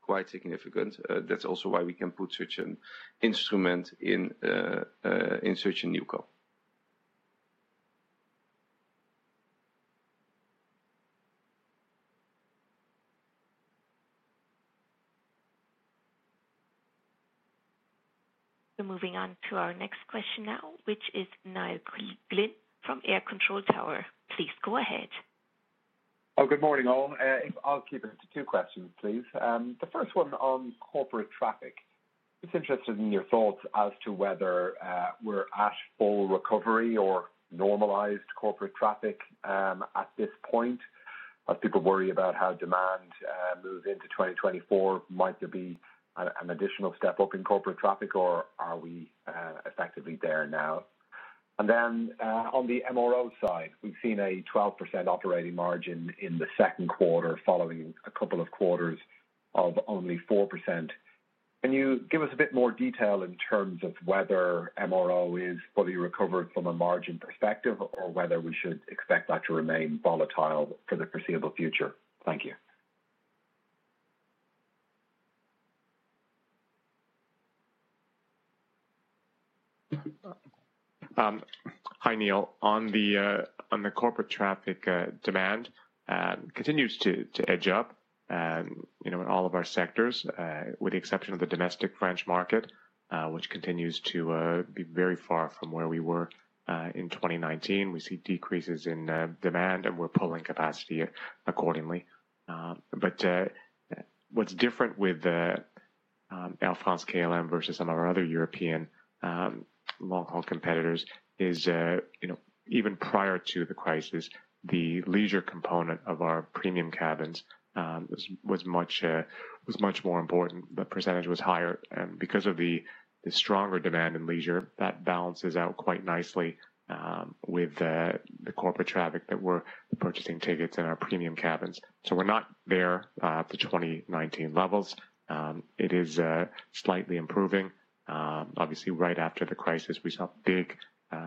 quite significant. That's also why we can put such an instrument in, in such a new co. We're moving on to our next question now, which is Neil Glynn from Air Control Tower. Please go ahead. Oh, good morning, all. I'll keep it to two questions, please. The first one on corporate traffic. Just interested in your thoughts as to whether we're at full recovery or normalized corporate traffic at this point. As people worry about how demand moves into 2024, might there be an additional step up in corporate traffic, or are we effectively there now? Then on the MRO side, we've seen a 12% operating margin in the Q2, following a couple of quarters of only 4%. Can you give us a bit more detail in terms of whether MRO is fully recovered from a margin perspective, or whether we should expect that to remain volatile for the foreseeable future? Thank you. Hi, Neil. On the corporate traffic, demand continues to edge up, you know, in all of our sectors, with the exception of the domestic French market, which continues to be very far from where we were in 2019. We see decreases in demand, and we're pulling capacity accordingly. What's different with the Air France-KLM versus some of our other European long-haul competitors is, you know, even prior to the crisis, the leisure component of our premium cabins was, was much, was much more important. The percentage was higher. Because of the stronger demand in leisure, that balances out quite nicely with the corporate traffic that we're purchasing tickets in our premium cabins. We're not there at the 2019 levels. It is slightly improving. Obviously, right after the crisis, we saw a big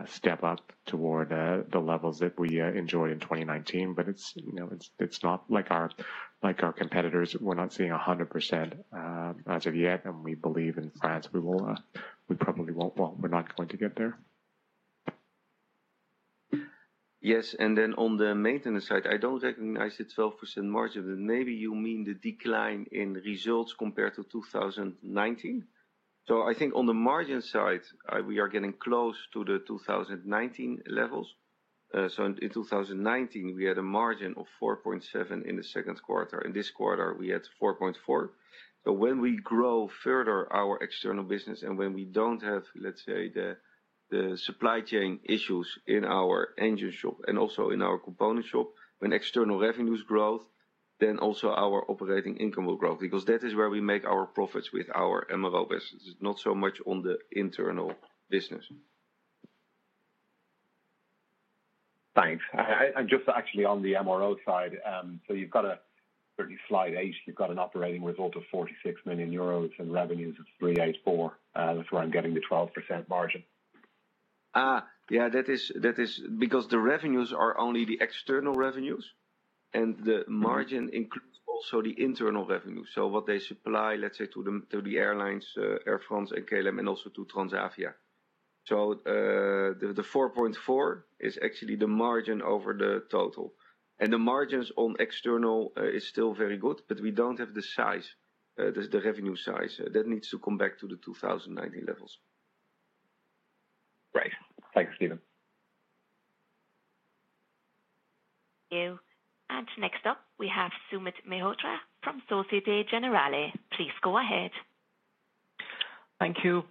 step up toward the levels that we enjoyed in 2019. It's, you know, it's, it's not like our, like our competitors. We're not seeing 100% as of yet. We believe in France, we will, we probably won't. Well, we're not going to get there. Yes, then on the maintenance side, I don't recognize it, 12% margin. Maybe you mean the decline in results compared to 2019. I think on the margin side, we are getting close to the 2019 levels. In 2019, we had a margin of 4.7 in the Q2. In this quarter, we had 4.4. When we grow further our external business and when we don't have, let's say, the, the supply chain issues in our engine shop and also in our component shop, when external revenues growth, then also our operating income will grow because that is where we make our profits with our MRO business, not so much on the internal business. Thanks. Just actually on the MRO side, you've got a pretty slight edge. You've got an operating result of 46 million euros and revenues of 384. That's where I'm getting the 12% margin. Yeah, that is, that is because the revenues are only the external revenues, and the margin includes also the internal revenues. What they supply, let's say, to the, to the airlines, Air France and KLM, and also to Transavia. The 4.4 is actually the margin over the total, and the margins on external is still very good, but we don't have the size, the revenue size. That needs to come back to the 2019 levels. Thank you, Steven. Thank you. Next up, we have Sumit Mehrotra from Societe Generale. Please go ahead. Thank you.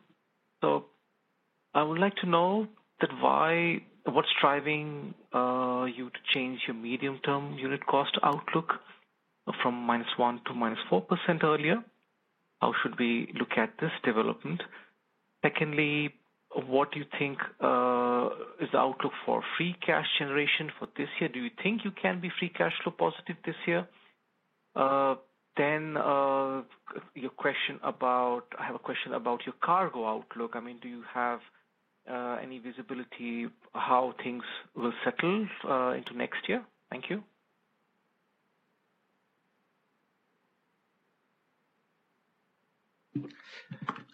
I would like to know that what's driving you to change your medium-term unit cost outlook from -1% to -4% earlier? How should we look at this development? Secondly, what do you think is the outlook for free cash generation for this year? Do you think you can be free cash flow positive this year? I have a question about your cargo outlook. I mean, do you have any visibility how things will settle into next year? Thank you.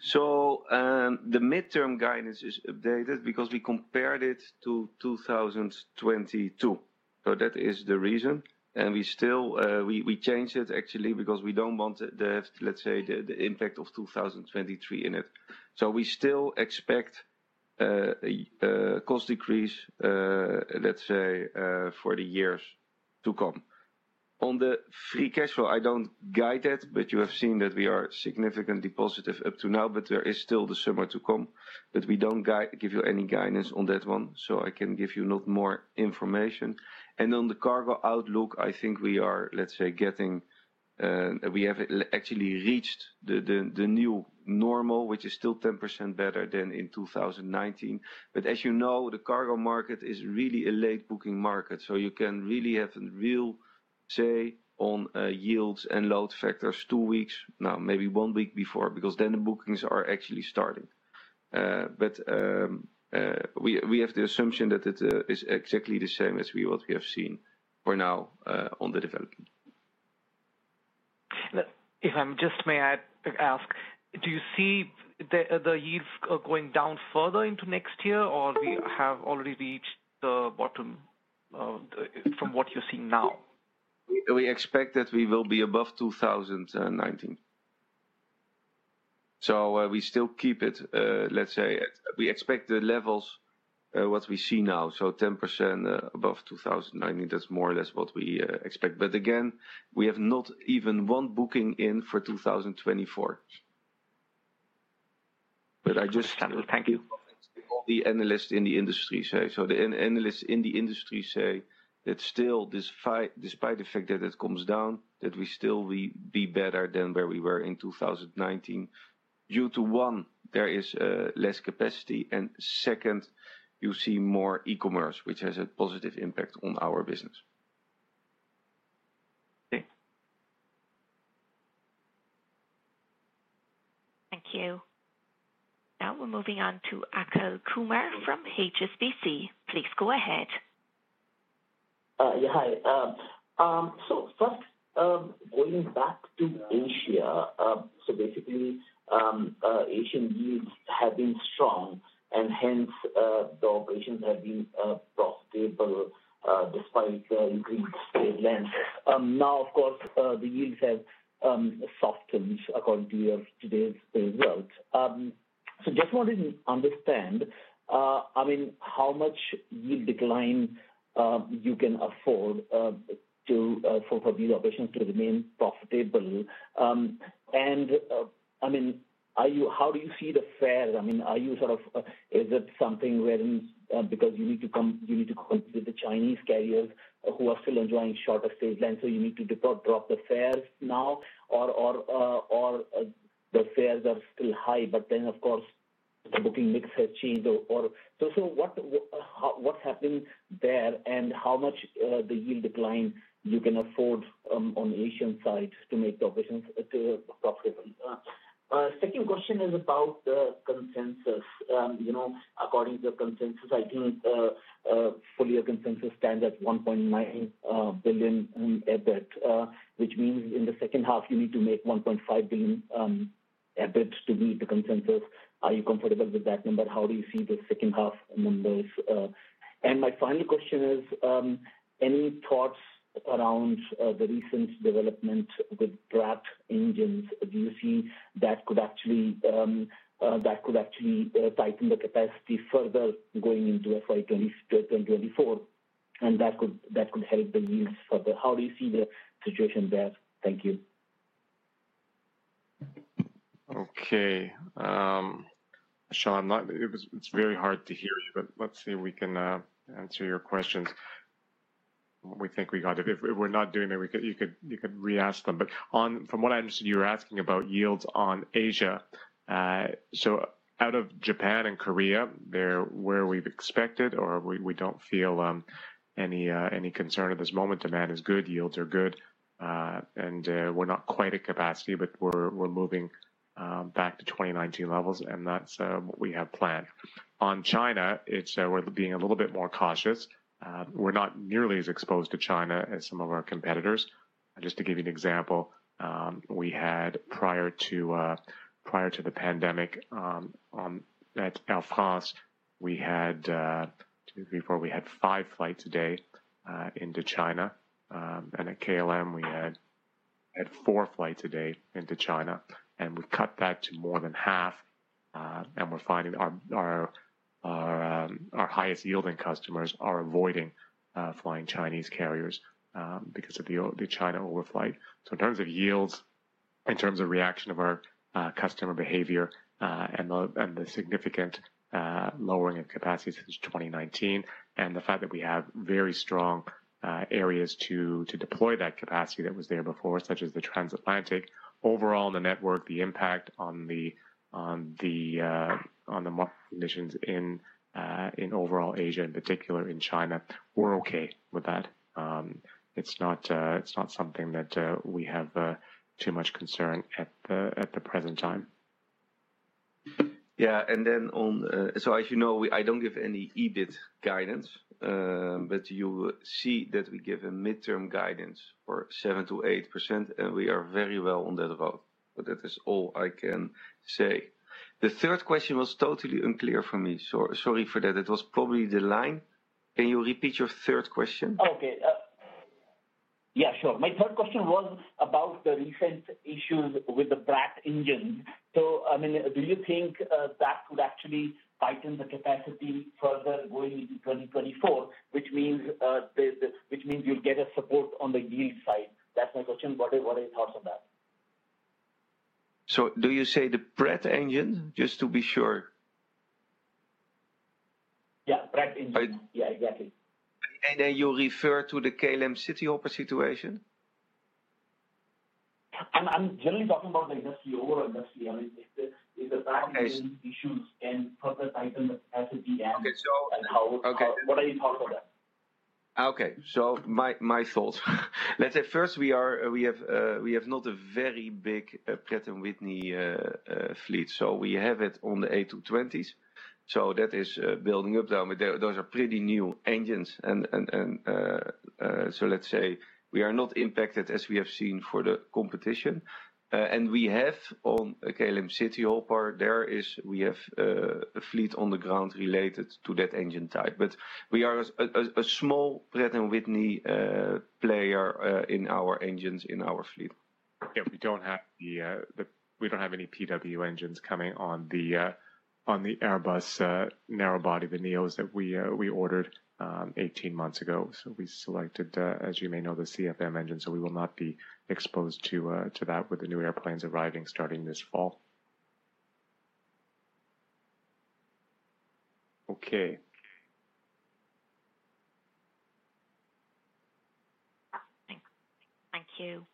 The midterm guidance is updated because we compared it to 2022. That is the reason, we still, we changed it actually because we don't want the, let's say, the, the impact of 2023 in it. We still expect, cost decrease, let's say, for the years to come. On the free cash flow, I don't guide that, but you have seen that we are significantly positive up to now, there is still the summer to come. We don't give you any guidance on that one, so I can give you not more information. On the cargo outlook, I think we are, let's say, getting, we have actually reached the, the, the new normal, which is still 10% better than in 2019. As you know, the cargo market is really a late booking market, so you can really have a real say on yields and load factors two weeks, now, maybe one week before, because then the bookings are actually starting. We have the assumption that it is exactly the same as what we have seen for now on the development. May I ask, do you see the, the yields, going down further into next year, or we have already reached the bottom, from what you're seeing now? We expect that we will be above 2019. We still keep it, let's say, we expect the levels, what we see now, 10% above 2019. That's more or less what we expect. Again, we have not even 1 booking in for 2024. Thank you. The analysts in the industry say, the analysts in the industry say that still, despite the fact that it comes down, that we still will be better than where we were in 2019. Due to, one, there is less capacity, and second, you see more e-commerce, which has a positive impact on our business. Okay? Thank you. Now we're moving on to Akhil Kumar from HSBC. Please go ahead. Yeah, hi. First, going back to Asia, so basically, Asian yields have been strong and hence, the operations have been profitable despite the increased stage length. Now, of course, the yields have softened according to your today's results. Just wanted to understand, I mean, how much yield decline you can afford to for these operations to remain profitable? I mean, are you-- how do you see the fares? I mean, are you sort of, is it something wherein, because you need to compete with the Chinese carriers who are still enjoying shorter stage length, so you need to drop the fares now or, or, or, the fares are still high, but then, of course, the booking mix has changed? What, how, what's happening there, and how much the yield decline you can afford on the Asian side to make the operations profitable? Second question is about the consensus. You know, according to the consensus, I think, full year consensus stands at 1.9 billion in EBIT, which means in the H2, you need to make 1.5 billion EBIT to meet the consensus. Are you comfortable with that number? How do you see the H2 among those? My final question is, any thoughts around the recent development with Pratt & Whitney engines? Do you see that could actually, that could actually tighten the capacity further going into FY 2024, and that could, that could help the yields further? How do you see the situation there? Thank you. Okay, Akhil, it's very hard to hear you, but let's see if we can answer your questions. We think we got it. If we, we're not doing it, you could, you could re-ask them. From what I understood, you were asking about yields on Asia. Out of Japan and Korea, they're where we've expected, or we, we don't feel any concern at this moment. Demand is good, yields are good, we're not quite at capacity, but we're moving back to 2019 levels, and that's what we have planned. On China, it's we're being a little bit more cautious. We're not nearly as exposed to China as some of our competitors. Just to give you an example, we had prior to, prior to the pandemic, at Air France, we had 2, 3, 4, we had 5 flights a day into China, and at KLM, we had four flights a day into China, and we've cut that to more than half. We're finding our highest yielding customers are avoiding flying Chinese carriers because of the China overflight. In terms of yields, in terms of reaction of our customer behavior, and the significant lowering of capacity since 2019, and the fact that we have very strong areas to deploy that capacity that was there before, such as the transatlantic. Overall, the network, the impact on the, on the, on the conditions in, in overall Asia, in particular in China, we're okay with that. It's not, it's not something that, we have, too much concern at the, at the present time. Yeah, and then on. As you know, we, I don't give any EBIT guidance, but you see that we give a midterm guidance for 7%-8%. We are very well on that above. That is all I can say. The third question was totally unclear for me. Sorry for that. It was probably the line. Can you repeat your third question? Okay. Yeah, sure. My third question was about the recent issues with the Pratt engine. So, I mean, do you think that could actually tighten the capacity further going into 2024, which means you'll get a support on the yield side? That's my question. What are, what are your thoughts on that? Do you say the Pratt engine, just to be sure? Yeah, Pratt engine. Yeah, exactly. Then you refer to the KLM Cityhopper situation? I'm generally talking about the industry, overall industry. I mean, if the Pratt- I- -issues and further tighten the capacity and- Okay. -and how- Okay. What are your thoughts on that? Okay, my, my thoughts. Let's say first, we are, we have, we have not a very big Pratt & Whitney fleet, so we have it on the A220s. That is building up, though. Those are pretty new engines and, and, and, so let's say we are not impacted as we have seen for the competition. We have on KLM Cityhopper, there is, we have a fleet on the ground related to that engine type. We are a, a, a small Pratt & Whitney player in our engines, in our fleet. Yeah, we don't have the, the, we don't have any PW engines coming on the, on the Airbus, narrow body, the NEOs that we, we ordered, 18 months ago. We selected, as you may know, the CFM engine, so we will not be exposed to, to that with the new airplanes arriving, starting this fall. Okay. Thank you.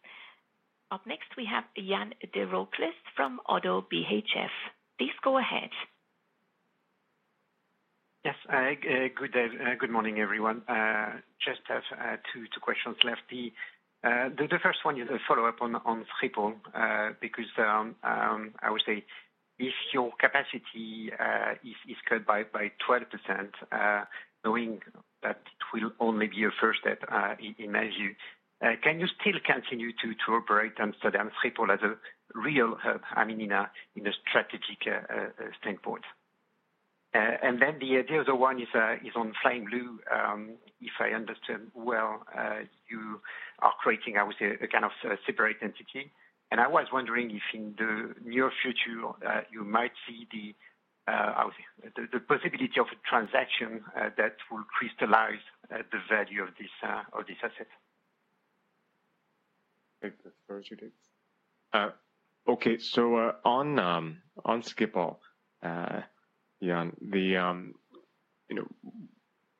Up next, we have Yann Derocles from Oddo BHF. Please go ahead. Yes, good day. Good morning, everyone. Just have two, two questions left. The first one is a follow-up on Schiphol, because I would say if your capacity is cut by 12%, knowing that it will only be a first step, as you... Can you still continue to operate on Schiphol as a real, I mean, in a strategic standpoint? Then the other one is on Flying Blue. If I understand well, you are creating, I would say, a kind of separate entity, and I was wondering if in the near future, you might see the, I would say, the, the possibility of a transaction, that will crystallize, the value of this, of this asset. Take the first, you take. Okay. On Schiphol, Yann, you know,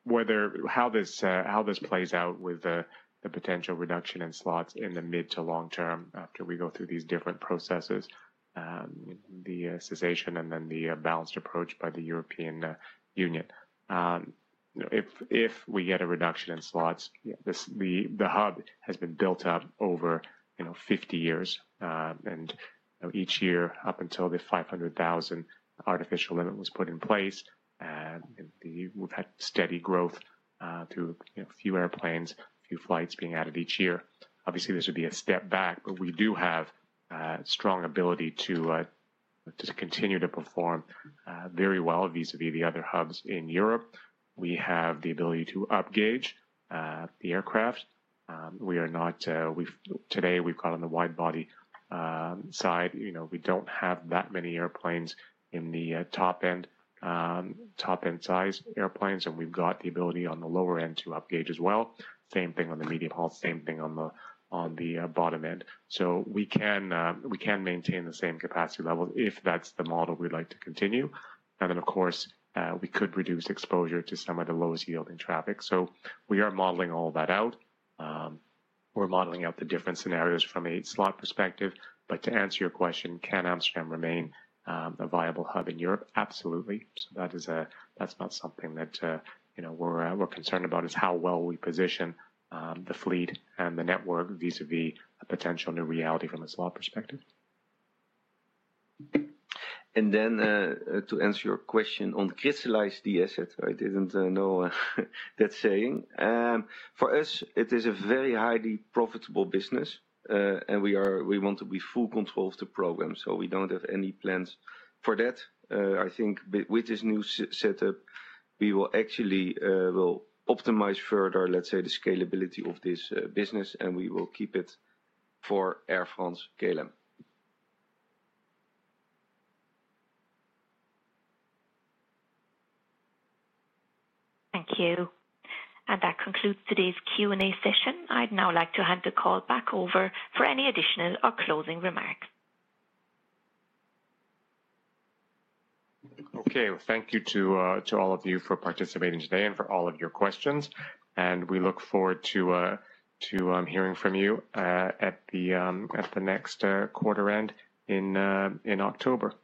whether how this plays out with the potential reduction in slots in the mid to long term after we go through these different processes, the cessation and then the balanced approach by the European Union. You know, if we get a reduction in slots, the hub has been built up over, you know, 50 years. You know, each year up until the 500,000 artificial limit was put in place, We've had steady growth, through, you know, a few airplanes, a few flights being added each year. Obviously, this would be a step back, but we do have strong ability to continue to perform very well vis-à-vis the other hubs in Europe. We have the ability to upgauge the aircraft. We are not, today, we've got on the wide-body side. You know, we don't have that many airplanes in the top end, top-end size airplanes, and we've got the ability on the lower end to upgauge as well. Same thing on the medium haul, same thing on the, on the bottom end. We can maintain the same capacity level if that's the model we'd like to continue. Of course, we could reduce exposure to some of the lowest yielding traffic. We are modeling all that out. We're modeling out the different scenarios from a slot perspective. To answer your question, can Amsterdam remain a viable hub in Europe? Absolutely. That is, that's not something that, you know, we're, we're concerned about is how well we position, the fleet and the network vis-à-vis a potential new reality from a slot perspective. Then, to answer your question on crystallize the asset, I didn't know that saying. For us, it is a very highly profitable business, and we want to be full control of the program, so we don't have any plans for that. I think with this new setup, we will actually, will optimize further, let's say, the scalability of this business, and we will keep it for Air France-KLM. Thank you. That concludes today's Q&A session. I'd now like to hand the call back over for any additional or closing remarks. Okay, thank you to to all of you for participating today and for all of your questions. We look forward to to hearing from you at the at the next quarter end in in October.